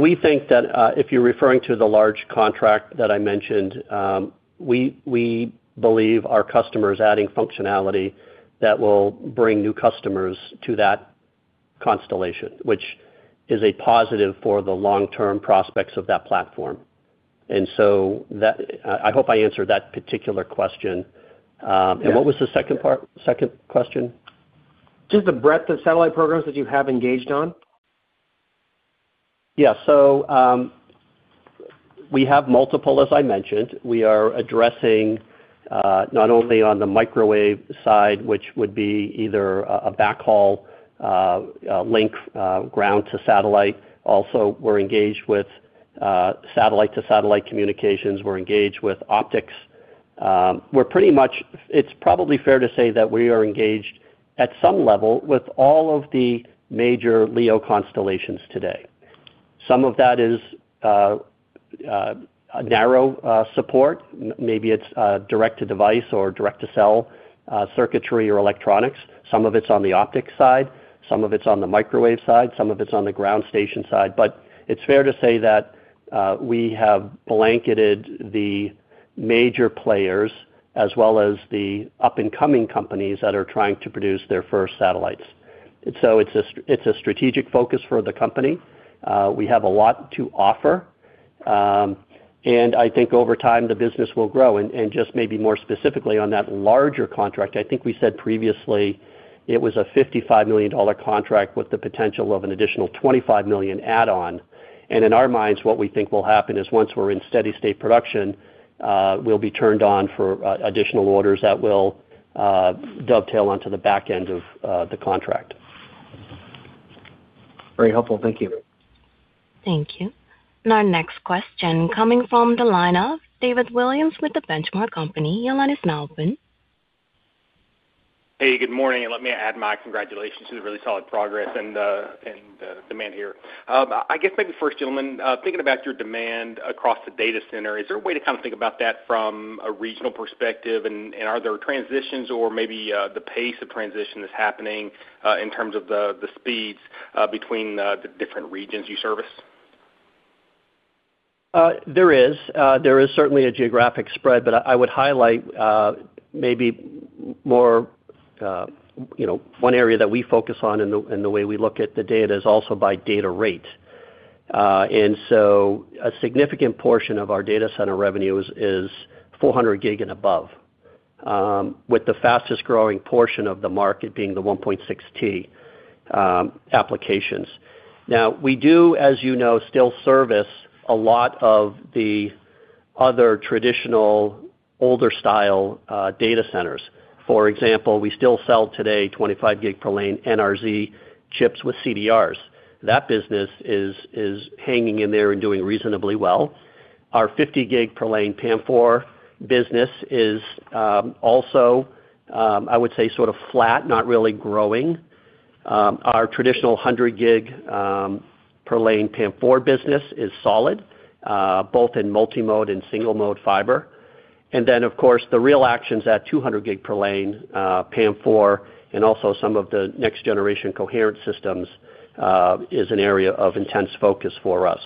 C: We think that if you're referring to the large contract that I mentioned, we believe our customer is adding functionality that will bring new customers to that constellation, which is a positive for the long-term prospects of that platform. I hope I answered that particular question. What was the second question?
G: Just the breadth of satellite programs that you have engaged on?
C: Yeah. So we have multiple, as I mentioned. We are addressing not only on the microwave side, which would be either a backhaul link, ground to satellite. Also, we're engaged with satellite-to-satellite communications. We're engaged with optics. It's probably fair to say that we are engaged, at some level, with all of the major LEO constellations today. Some of that is narrow support. Maybe it's direct-to-device or direct-to-cell circuitry or electronics. Some of it's on the optics side. Some of it's on the microwave side. Some of it's on the ground station side. But it's fair to say that we have blanketed the major players as well as the up-and-coming companies that are trying to produce their first satellites. So it's a strategic focus for the company. We have a lot to offer. And I think over time, the business will grow. Just maybe more specifically on that larger contract, I think we said previously it was a $55 million contract with the potential of an additional $25 million add-on. In our minds, what we think will happen is once we're in steady-state production, we'll be turned on for additional orders that will dovetail onto the back end of the contract.
G: Very helpful. Thank you.
A: Thank you. Our next question coming from the line of David Williams with The Benchmark Company. Your line is now open.
H: Hey. Good morning. Let me add my congratulations to the really solid progress and demand here. I guess maybe first, gentlemen, thinking about your demand across the data center, is there a way to kind of think about that from a regional perspective? And are there transitions or maybe the pace of transition that's happening in terms of the speeds between the different regions you service?
C: There is. There is certainly a geographic spread. But I would highlight maybe more one area that we focus on in the way we look at the data is also by data rate. And so a significant portion of our data center revenue is 400G and above, with the fastest-growing portion of the market being the 1.6T applications. Now, we do, as you know, still service a lot of the other traditional, older-style data centers. For example, we still sell today 25G per lane NRZ chips with CDRs. That business is hanging in there and doing reasonably well. Our 50G per lane PAM4 business is also, I would say, sort of flat, not really growing. Our traditional 100G per lane PAM4 business is solid, both in multimode and single-mode fiber. And then, of course, the real actions at 200-gig per lane PAM4 and also some of the next-generation coherent systems is an area of intense focus for us.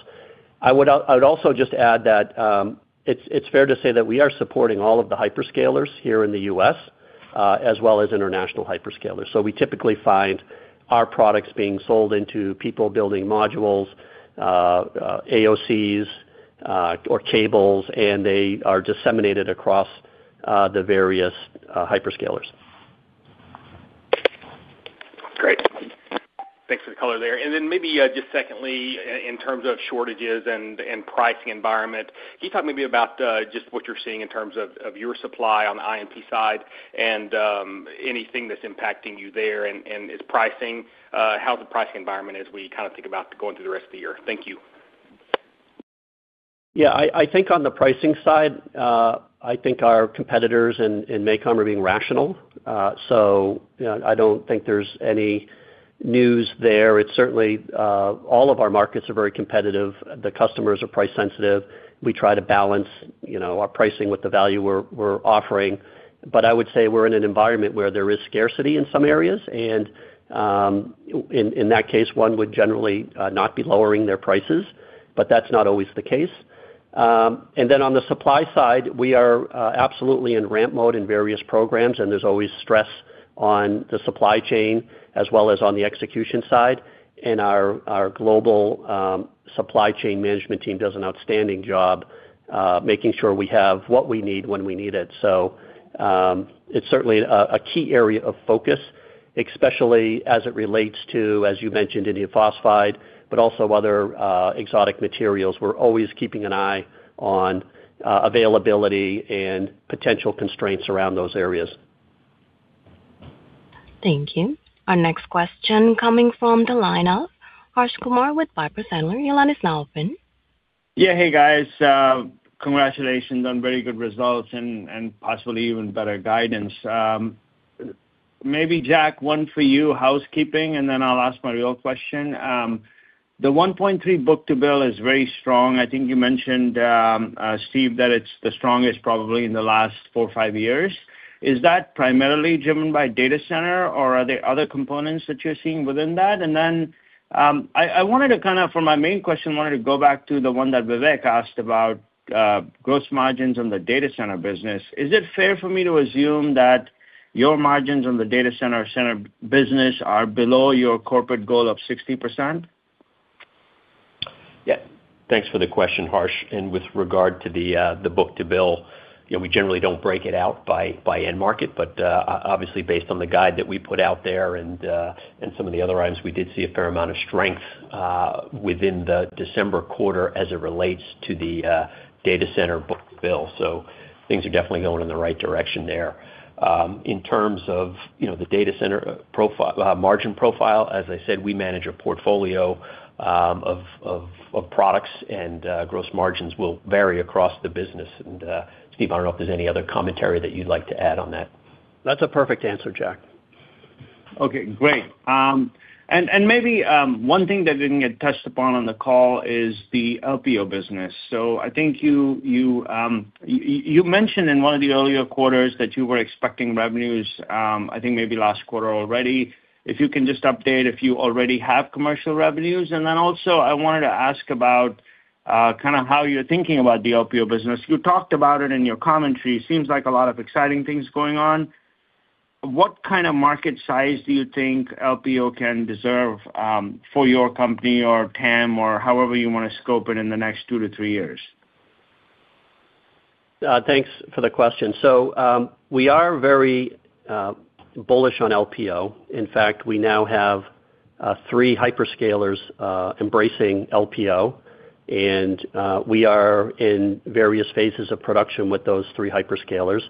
C: I would also just add that it's fair to say that we are supporting all of the hyperscalers here in the U.S. as well as international hyperscalers. So we typically find our products being sold into people building modules, AOCs, or cables. And they are disseminated across the various hyperscalers.
H: Great. Thanks for the color there. And then maybe just secondly, in terms of shortages and pricing environment, can you talk maybe about just what you're seeing in terms of your supply on the InP side and anything that's impacting you there? And how's the pricing environment as we kind of think about going through the rest of the year? Thank you.
C: Yeah. I think on the pricing side, I think our competitors and MACOM are being rational. So I don't think there's any news there. All of our markets are very competitive. The customers are price-sensitive. We try to balance our pricing with the value we're offering. But I would say we're in an environment where there is scarcity in some areas. And in that case, one would generally not be lowering their prices. But that's not always the case. And then on the supply side, we are absolutely in ramp mode in various programs. And there's always stress on the supply chain as well as on the execution side. And our global supply chain management team does an outstanding job making sure we have what we need when we need it. It's certainly a key area of focus, especially as it relates to, as you mentioned, indium phosphide but also other exotic materials. We're always keeping an eye on availability and potential constraints around those areas.
A: Thank you. Our next question. Coming from the line of Harsh Kumar with Piper Sandler. Your line is now open.
I: Yeah. Hey, guys. Congratulations on very good results and possibly even better guidance. Maybe, Jack, one for you, housekeeping. And then I'll ask my real question. The 1.3 book-to-bill is very strong. I think you mentioned, Steve, that it's the strongest probably in the last 4, 5 years. Is that primarily driven by data center? Or are there other components that you're seeing within that? And then I wanted to kind of from my main question, wanted to go back to the one that Vivek asked about gross margins on the data center business. Is it fair for me to assume that your margins on the data center business are below your corporate goal of 60%?
J: Yeah. Thanks for the question, Harsh. With regard to the book-to-bill, we generally don't break it out by end market. Obviously, based on the guide that we put out there and some of the other items, we did see a fair amount of strength within the December quarter as it relates to the data center book-to-bill. Things are definitely going in the right direction there. In terms of the data center margin profile, as I said, we manage a portfolio of products. Gross margins will vary across the business. Steve, I don't know if there's any other commentary that you'd like to add on that.
C: That's a perfect answer, Jack.
I: Okay. Great. And maybe one thing that didn't get touched upon on the call is the LPO business. So I think you mentioned in one of the earlier quarters that you were expecting revenues, I think maybe last quarter already, if you can just update if you already have commercial revenues. And then also, I wanted to ask about kind of how you're thinking about the LPO business. You talked about it in your commentary. It seems like a lot of exciting things going on. What kind of market size do you think LPO can address for your company or TAM or however you want to scope it in the next 2-3 years?
C: Thanks for the question. So we are very bullish on LPO. In fact, we now have three hyperscalers embracing LPO. We are in various phases of production with those three hyperscalers.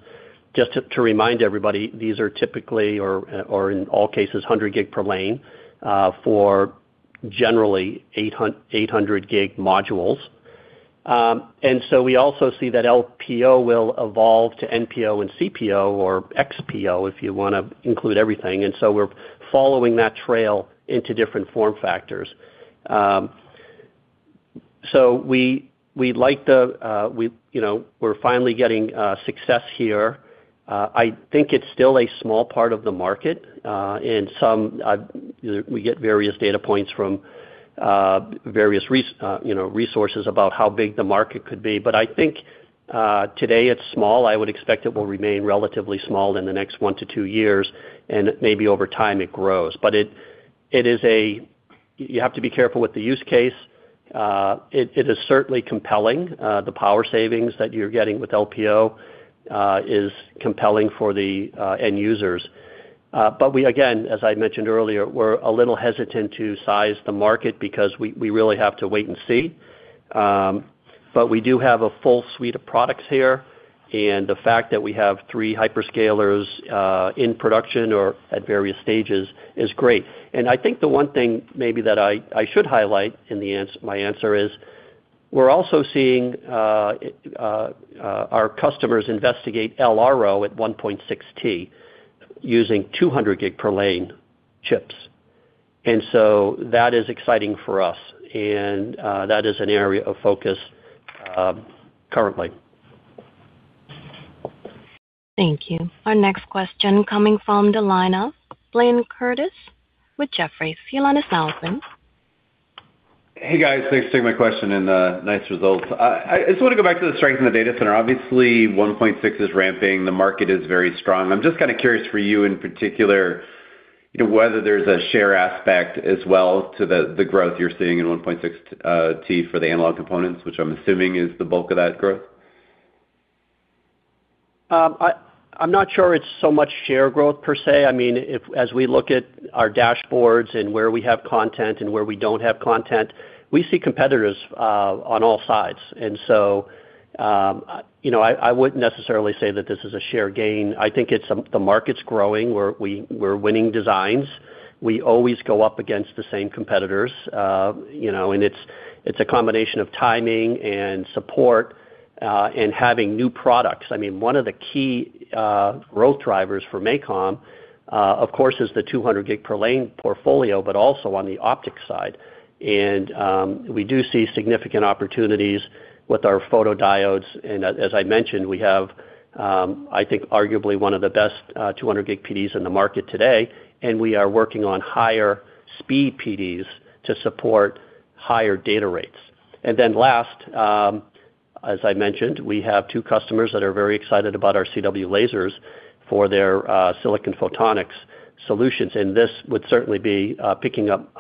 C: Just to remind everybody, these are typically or in all cases, 100G per lane for generally 800G modules. We also see that LPO will evolve to NPO and CPO or XPO if you want to include everything. We're following that trail into different form factors. So we like that we're finally getting success here. I think it's still a small part of the market. We get various data points from various resources about how big the market could be. But I think today, it's small. I would expect it will remain relatively small in the next 1-2 years. Maybe over time, it grows. But you have to be careful with the use case. It is certainly compelling. The power savings that you're getting with LPO is compelling for the end users. But again, as I mentioned earlier, we're a little hesitant to size the market because we really have to wait and see. But we do have a full suite of products here. And the fact that we have three hyperscalers in production or at various stages is great. And I think the one thing maybe that I should highlight in my answer is we're also seeing our customers investigate LRO at 1.6T using 200-gig per lane chips. And so that is exciting for us. And that is an area of focus currently.
A: Thank you. Our next question. Coming from the line of Blayne Curtis with Jefferies. Your line is now open.
K: Hey, guys. Thanks for taking my question and the nice results. I just want to go back to the strength in the data center. Obviously, 1.6 is ramping. The market is very strong. I'm just kind of curious for you in particular whether there's a share aspect as well to the growth you're seeing in 1.6T for the analog components, which I'm assuming is the bulk of that growth.
C: I'm not sure it's so much share growth per se. I mean, as we look at our dashboards and where we have content and where we don't have content, we see competitors on all sides. And so I wouldn't necessarily say that this is a share gain. I think the market's growing. We're winning designs. We always go up against the same competitors. And it's a combination of timing and support and having new products. I mean, one of the key growth drivers for MACOM, of course, is the 200-gig per lane portfolio but also on the optics side. And we do see significant opportunities with our photodiodes. And as I mentioned, we have, I think, arguably one of the best 200-gig PDs in the market today. And we are working on higher-speed PDs to support higher data rates. Then last, as I mentioned, we have two customers that are very excited about our CW lasers for their silicon photonics solutions. This would certainly be picking up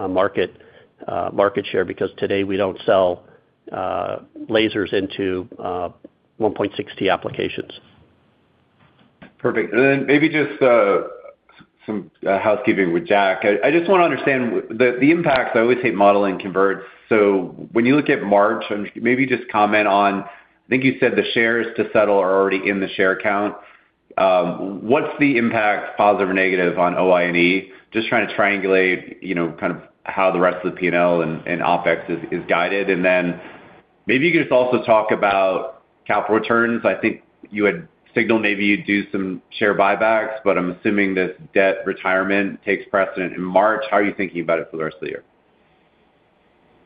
C: market share because today, we don't sell lasers into 1.6T applications.
K: Perfect. And then maybe just some housekeeping with Jack. I just want to understand the impacts. I always hate modeling converts. So when you look at March, maybe just comment on I think you said the shares to settle are already in the share count. What's the impact, positive or negative, on OI&E? Just trying to triangulate kind of how the rest of the P&L and OPEX is guided. And then maybe you could just also talk about capital returns. I think you had signaled maybe you'd do some share buybacks. But I'm assuming this debt retirement takes precedence in March. How are you thinking about it for the rest of the year?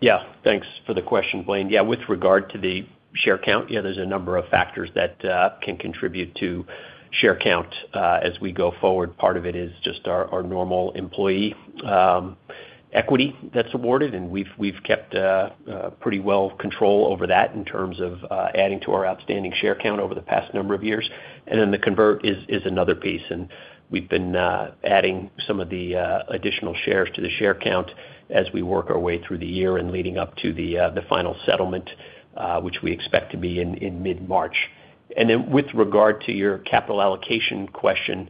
J: Yeah. Thanks for the question, Blaine. Yeah. With regard to the share count, yeah, there's a number of factors that can contribute to share count as we go forward. Part of it is just our normal employee equity that's awarded. And we've kept pretty well control over that in terms of adding to our outstanding share count over the past number of years. And then the convert is another piece. And we've been adding some of the additional shares to the share count as we work our way through the year and leading up to the final settlement, which we expect to be in mid-March. And then with regard to your capital allocation question,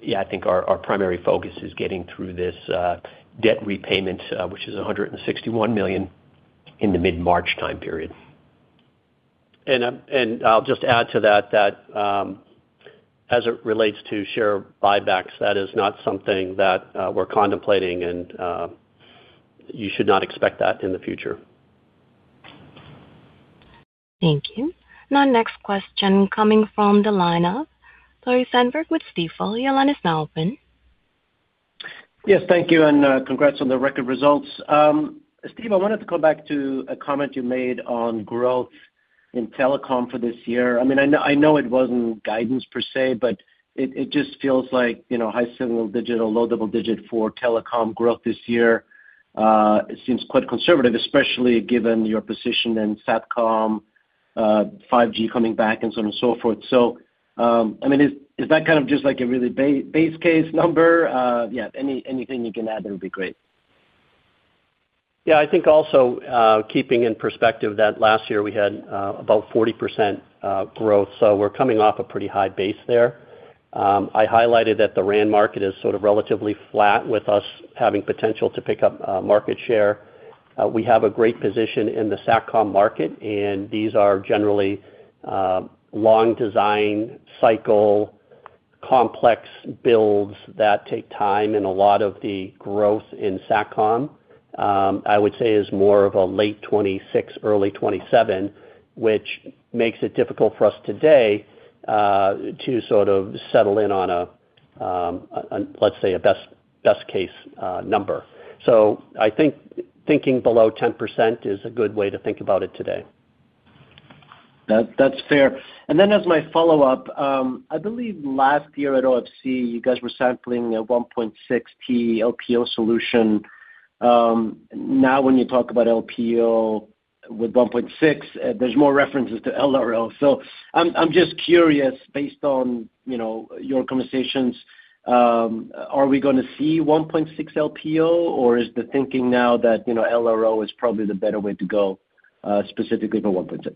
J: yeah, I think our primary focus is getting through this debt repayment, which is $161 million, in the mid-March time period.
K: I'll just add to that that as it relates to share buybacks, that is not something that we're contemplating. You should not expect that in the future.
A: Thank you. Now, next question. Coming from the line of Tore Svanberg with Stifel. Your line is now open.
I: Yes. Thank you. And congrats on the record results. Steve, I wanted to go back to a comment you made on growth in telecom for this year. I mean, I know it wasn't guidance per se. But it just feels like high single-digit, low double-digit for telecom growth this year seems quite conservative, especially given your position in Satcom, 5G coming back, and so on and so forth. So I mean, is that kind of just a really base case number? Yeah. Anything you can add there would be great.
C: Yeah. I think also keeping in perspective that last year, we had about 40% growth. So we're coming off a pretty high base there. I highlighted that the RAN market is sort of relatively flat with us having potential to pick up market share. We have a great position in the Satcom market. And these are generally long design cycle, complex builds that take time. And a lot of the growth in Satcom, I would say, is more of a late 2026, early 2027, which makes it difficult for us today to sort of settle in on, let's say, a best-case number. So I think thinking below 10% is a good way to think about it today.
I: That's fair. And then as my follow-up, I believe last year at OFC, you guys were sampling a 1.6T LPO solution. Now, when you talk about LPO with 1.6, there's more references to LRO. So I'm just curious, based on your conversations, are we going to see 1.6 LPO? Or is the thinking now that LRO is probably the better way to go specifically for 1.6?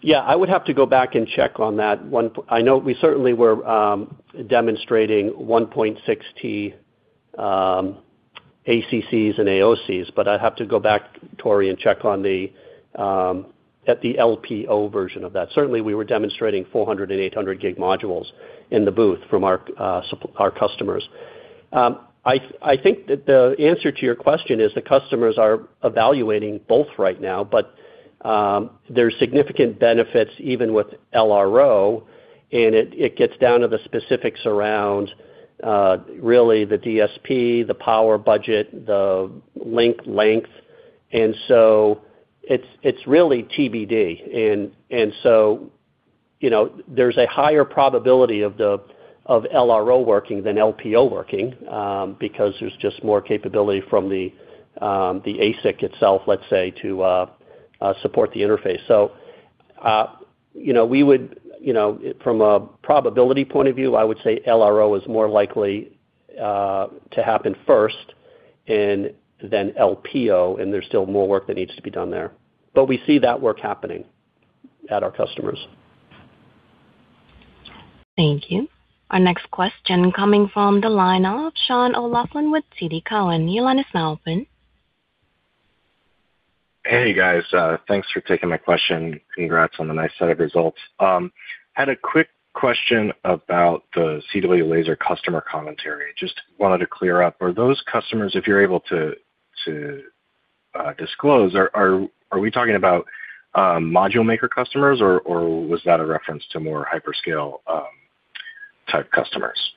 C: Yeah. I would have to go back and check on that. I know we certainly were demonstrating 1.6T ACCs and AOCs. But I'd have to go back, Tore, and check at the LPO version of that. Certainly, we were demonstrating 400- and 800-gig modules in the booth from our customers. I think that the answer to your question is the customers are evaluating both right now. But there's significant benefits even with LRO. And it gets down to the specifics around really the DSP, the power budget, the link length. And so it's really TBD. And so there's a higher probability of LRO working than LPO working because there's just more capability from the ASIC itself, let's say, to support the interface. So we would, from a probability point of view, I would say LRO is more likely to happen first and then LPO. There's still more work that needs to be done there. We see that work happening at our customers.
A: Thank you. Our next question. Coming from the line of Sean O'Loughlin with TD Cowen. Your line is now open.
L: Hey, guys. Thanks for taking my question. Congrats on the nice set of results. Had a quick question about the CW laser customer commentary. Just wanted to clear up. Are those customers, if you're able to disclose, are we talking about module maker customers? Or was that a reference to more hyperscale-type customers?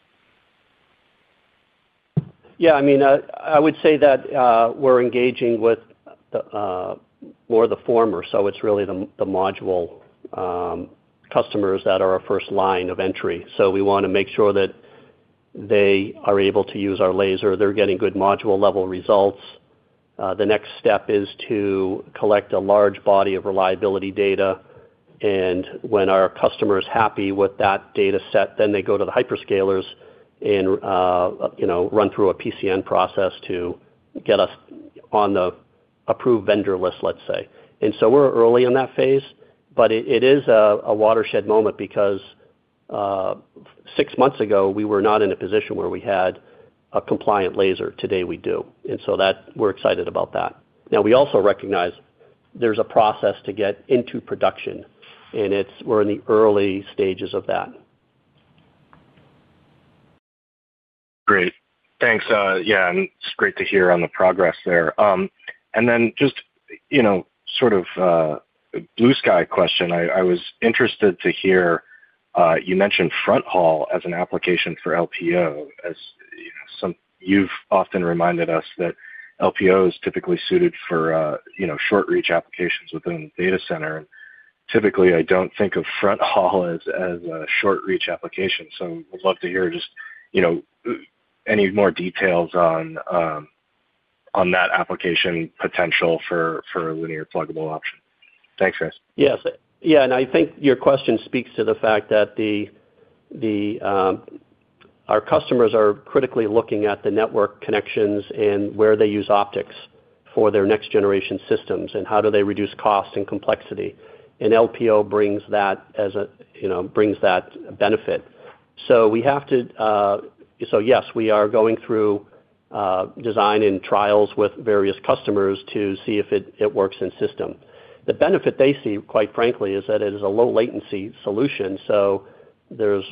C: Yeah. I mean, I would say that we're engaging with more of the former. So it's really the module customers that are our first line of entry. So we want to make sure that they are able to use our laser. They're getting good module-level results. The next step is to collect a large body of reliability data. And when our customer is happy with that data set, then they go to the hyperscalers and run through a PCN process to get us on the approved vendor list, let's say. And so we're early in that phase. But it is a watershed moment because six months ago, we were not in a position where we had a compliant laser. Today, we do. And so we're excited about that. Now, we also recognize there's a process to get into production. And we're in the early stages of that.
L: Great. Thanks. Yeah. It's great to hear on the progress there. Then just sort of a blue-sky question. I was interested to hear you mentioned fronthaul as an application for LPO. You've often reminded us that LPO is typically suited for short-reach applications within the data center. Typically, I don't think of fronthaul as a short-reach application. Would love to hear just any more details on that application potential for linear pluggable optics. Thanks, guys.
C: Yes. Yeah. I think your question speaks to the fact that our customers are critically looking at the network connections and where they use optics for their next-generation systems and how do they reduce cost and complexity. LPO brings that as a brings that benefit. Yes, we are going through design and trials with various customers to see if it works in system. The benefit they see, quite frankly, is that it is a low-latency solution. So it's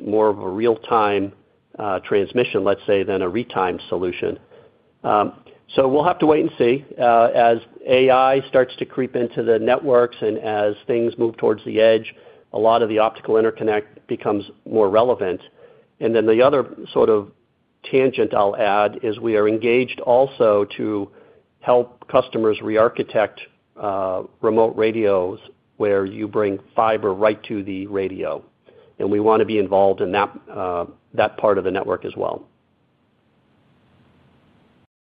C: more of a real-time transmission, let's say, than a retimed solution. We'll have to wait and see. As AI starts to creep into the networks and as things move towards the edge, a lot of the optical interconnect becomes more relevant. And then the other sort of tangent I'll add is we are engaged also to help customers re-architect remote radios where you bring fiber right to the radio. And we want to be involved in that part of the network as well.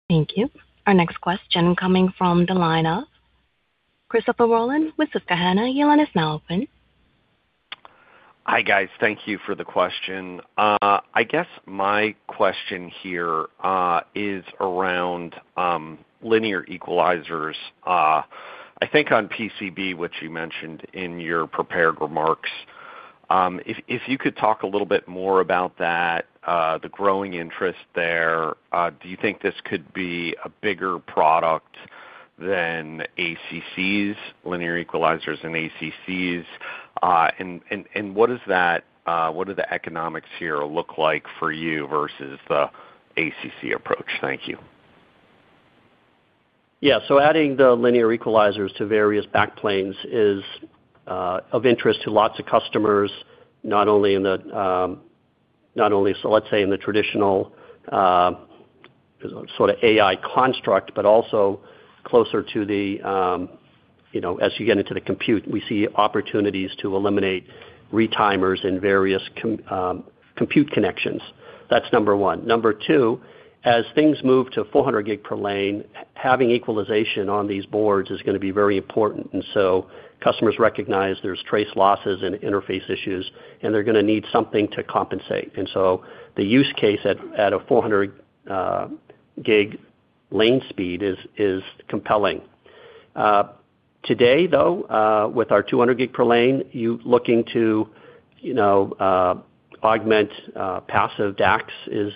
A: Thank you. Our next question. Coming from the line of Christopher Rolland with Susquehanna Financial Group. Your line is now open.
M: Hi, guys. Thank you for the question. I guess my question here is around linear equalizers. I think on PCB, which you mentioned in your prepared remarks, if you could talk a little bit more about that, the growing interest there. Do you think this could be a bigger product than ACCs, linear equalizers, and ACCs? And what do the economics here look like for you versus the ACC approach? Thank you.
C: Yeah. So adding the linear equalizers to various backplanes is of interest to lots of customers, not only, so let's say, in the traditional sort of AI construct but also closer to the as you get into the compute. We see opportunities to eliminate retimers in various compute connections. That's number one. Number two, as things move to 400-gig per lane, having equalization on these boards is going to be very important. And so customers recognize there's trace losses and interface issues. And they're going to need something to compensate. And so the use case at a 400-gig lane speed is compelling. Today, though, with our 200-gig per lane, looking to augment passive DACs is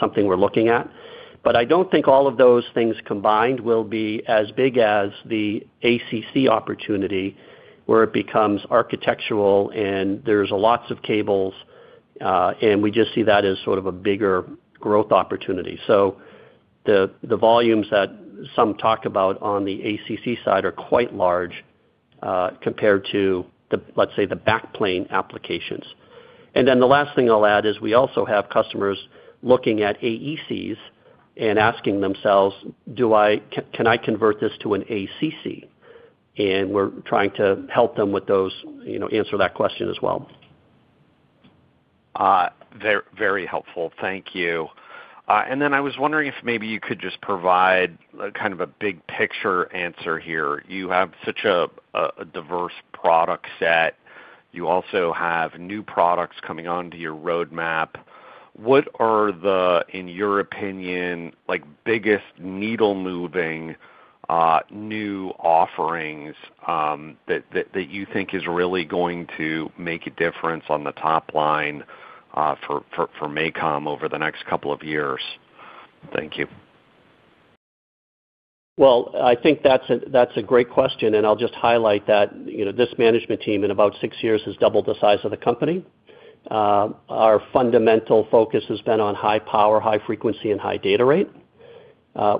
C: something we're looking at. But I don't think all of those things combined will be as big as the ACC opportunity where it becomes architectural. And there's lots of cables. We just see that as sort of a bigger growth opportunity. The volumes that some talk about on the ACC side are quite large compared to, let's say, the backplane applications. The last thing I'll add is we also have customers looking at AECs and asking themselves, "Can I convert this to an ACC?" We're trying to help them to answer that question as well.
M: Very helpful. Thank you. And then I was wondering if maybe you could just provide kind of a big-picture answer here. You have such a diverse product set. You also have new products coming onto your roadmap. What are the, in your opinion, biggest needle-moving new offerings that you think is really going to make a difference on the top line for MACOM over the next couple of years? Thank you.
C: Well, I think that's a great question. I'll just highlight that this management team, in about 6 years, has doubled the size of the company. Our fundamental focus has been on high power, high frequency, and high data rate.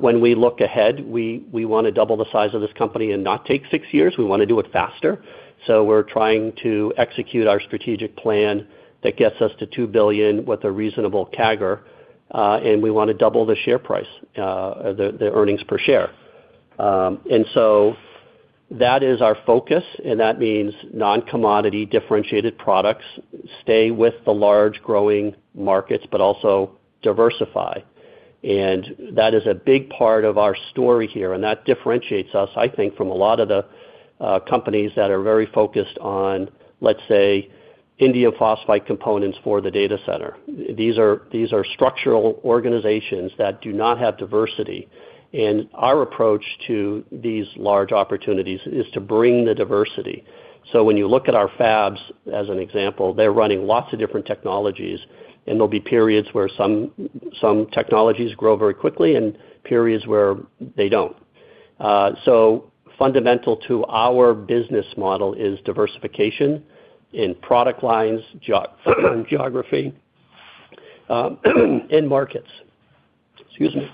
C: When we look ahead, we want to double the size of this company and not take 6 years. We want to do it faster. We're trying to execute our strategic plan that gets us to $2 billion with a reasonable CAGR. We want to double the share price, the earnings per share. That is our focus. That means non-commodity, differentiated products, stay with the large growing markets but also diversify. That is a big part of our story here. That differentiates us, I think, from a lot of the companies that are very focused on, let's say, indium phosphide components for the data center. These are structural organizations that do not have diversity. Our approach to these large opportunities is to bring the diversity. So when you look at our fabs, as an example, they're running lots of different technologies. There'll be periods where some technologies grow very quickly and periods where they don't. So fundamental to our business model is diversification in product lines, geography, and markets. Excuse me.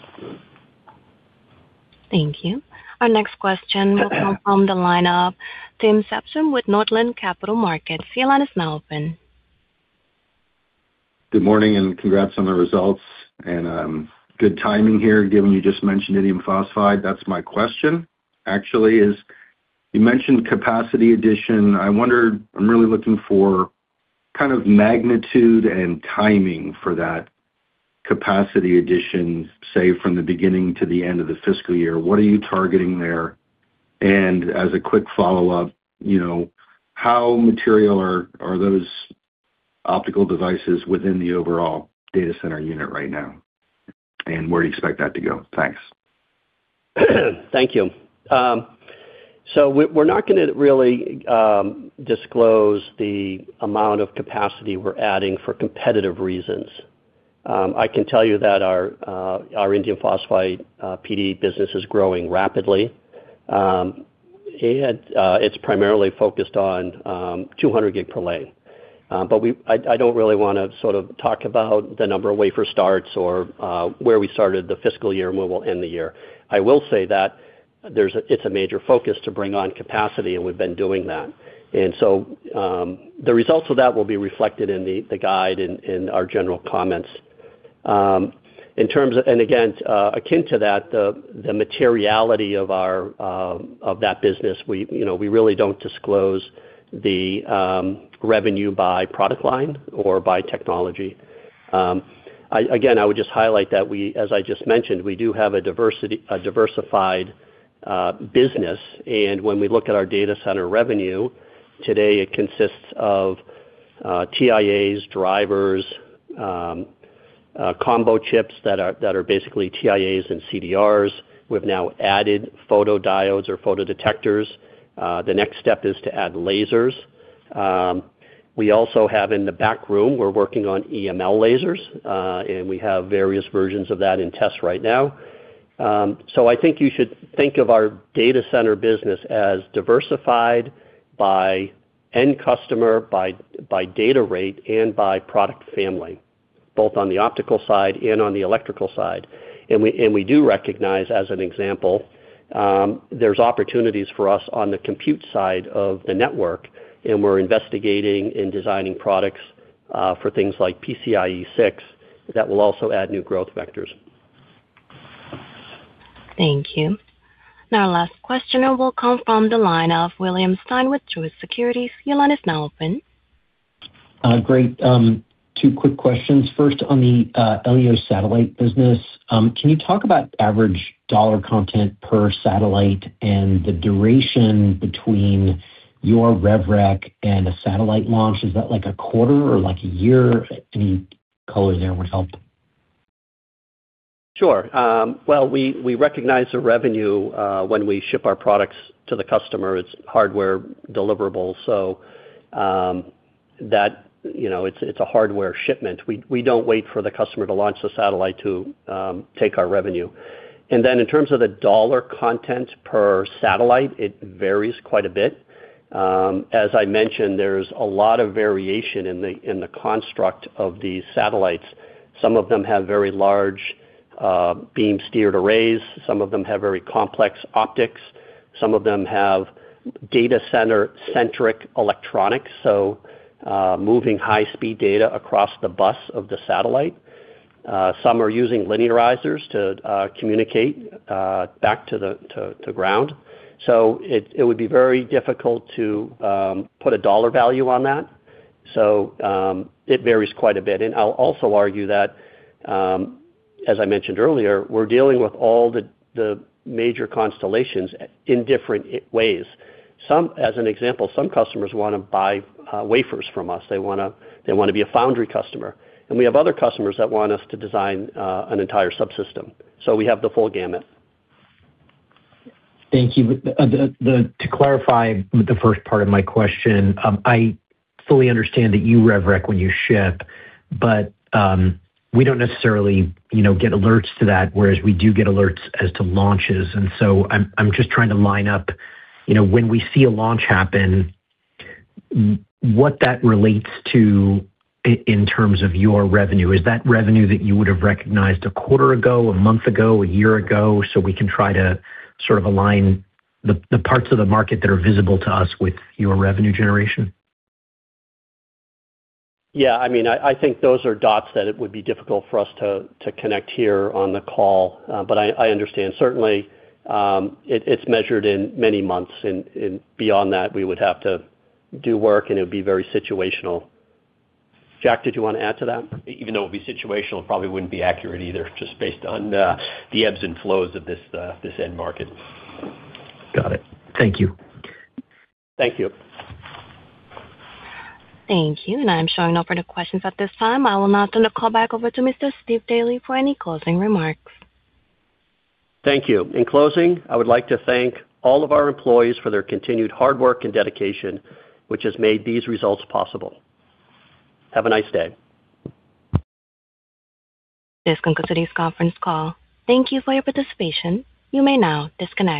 A: Thank you. Our next question will come from the line of Tim Savageaux with Northland Capital Markets. Your line is now open.
N: Good morning. Congrats on the results and good timing here. Given you just mentioned indium phosphide, that's my question, actually, is you mentioned capacity addition. I'm really looking for kind of magnitude and timing for that capacity addition, say, from the beginning to the end of the fiscal year. What are you targeting there? And as a quick follow-up, how material are those optical devices within the overall data center unit right now? And where do you expect that to go? Thanks.
C: Thank you. So we're not going to really disclose the amount of capacity we're adding for competitive reasons. I can tell you that our indium phosphide PD business is growing rapidly. It's primarily focused on 200G per lane. But I don't really want to sort of talk about the number of wafer starts or where we started the fiscal year and where we'll end the year. I will say that it's a major focus to bring on capacity. And we've been doing that. And so the results of that will be reflected in the guide and our general comments. And again, akin to that, the materiality of that business, we really don't disclose the revenue by product line or by technology. Again, I would just highlight that, as I just mentioned, we do have a diversified business. When we look at our data center revenue today, it consists of TIAs, drivers, combo chips that are basically TIAs and CDRs. We've now added photodiodes or photodetectors. The next step is to add lasers. We also have, in the back room, we're working on EML lasers. And we have various versions of that in test right now. So I think you should think of our data center business as diversified by end customer, by data rate, and by product family, both on the optical side and on the electrical side. And we do recognize, as an example, there's opportunities for us on the compute side of the network. And we're investigating and designing products for things like PCIe 6 that will also add new growth vectors.
A: Thank you. Now, our last questioner will come from the line of William Stein with Truist Securities. Your line is now open.
O: Great. Two quick questions. First, on the LEO satellite business, can you talk about average dollar content per satellite and the duration between your RevRec and a satellite launch? Is that like a quarter or like a year? Any color there would help.
C: Sure. Well, we recognize the revenue when we ship our products to the customer. It's hardware deliverables. It's a hardware shipment. We don't wait for the customer to launch the satellite to take our revenue. Then in terms of the dollar content per satellite, it varies quite a bit. As I mentioned, there's a lot of variation in the construct of these satellites. Some of them have very large beam-steered arrays. Some of them have very complex optics. Some of them have data center-centric electronics, so moving high-speed data across the bus of the satellite. Some are using linearizers to communicate back to the ground. It would be very difficult to put a dollar value on that. It varies quite a bit. I'll also argue that, as I mentioned earlier, we're dealing with all the major constellations in different ways. As an example, some customers want to buy wafers from us. They want to be a foundry customer. We have other customers that want us to design an entire subsystem. We have the full gamut.
O: Thank you. To clarify the first part of my question, I fully understand that you RevRec when you ship. But we don't necessarily get alerts to that, whereas we do get alerts as to launches. And so I'm just trying to line up, when we see a launch happen, what that relates to in terms of your revenue. Is that revenue that you would have recognized a quarter ago, a month ago, a year ago? So we can try to sort of align the parts of the market that are visible to us with your revenue generation.
C: Yeah. I mean, I think those are dots that it would be difficult for us to connect here on the call. But I understand. Certainly, it's measured in many months. And beyond that, we would have to do work. And it would be very situational. Jack, did you want to add to that?
P: Even though it would be situational, it probably wouldn't be accurate either, just based on the ebbs and flows of this end market.
O: Got it. Thank you.
C: Thank you.
A: Thank you. I am showing no further questions at this time. I will now turn the call back over to Mr. Steve Daley for any closing remarks.
C: Thank you. In closing, I would like to thank all of our employees for their continued hard work and dedication, which has made these results possible. Have a nice day.
A: This concludes today's conference call. Thank you for your participation. You may now disconnect.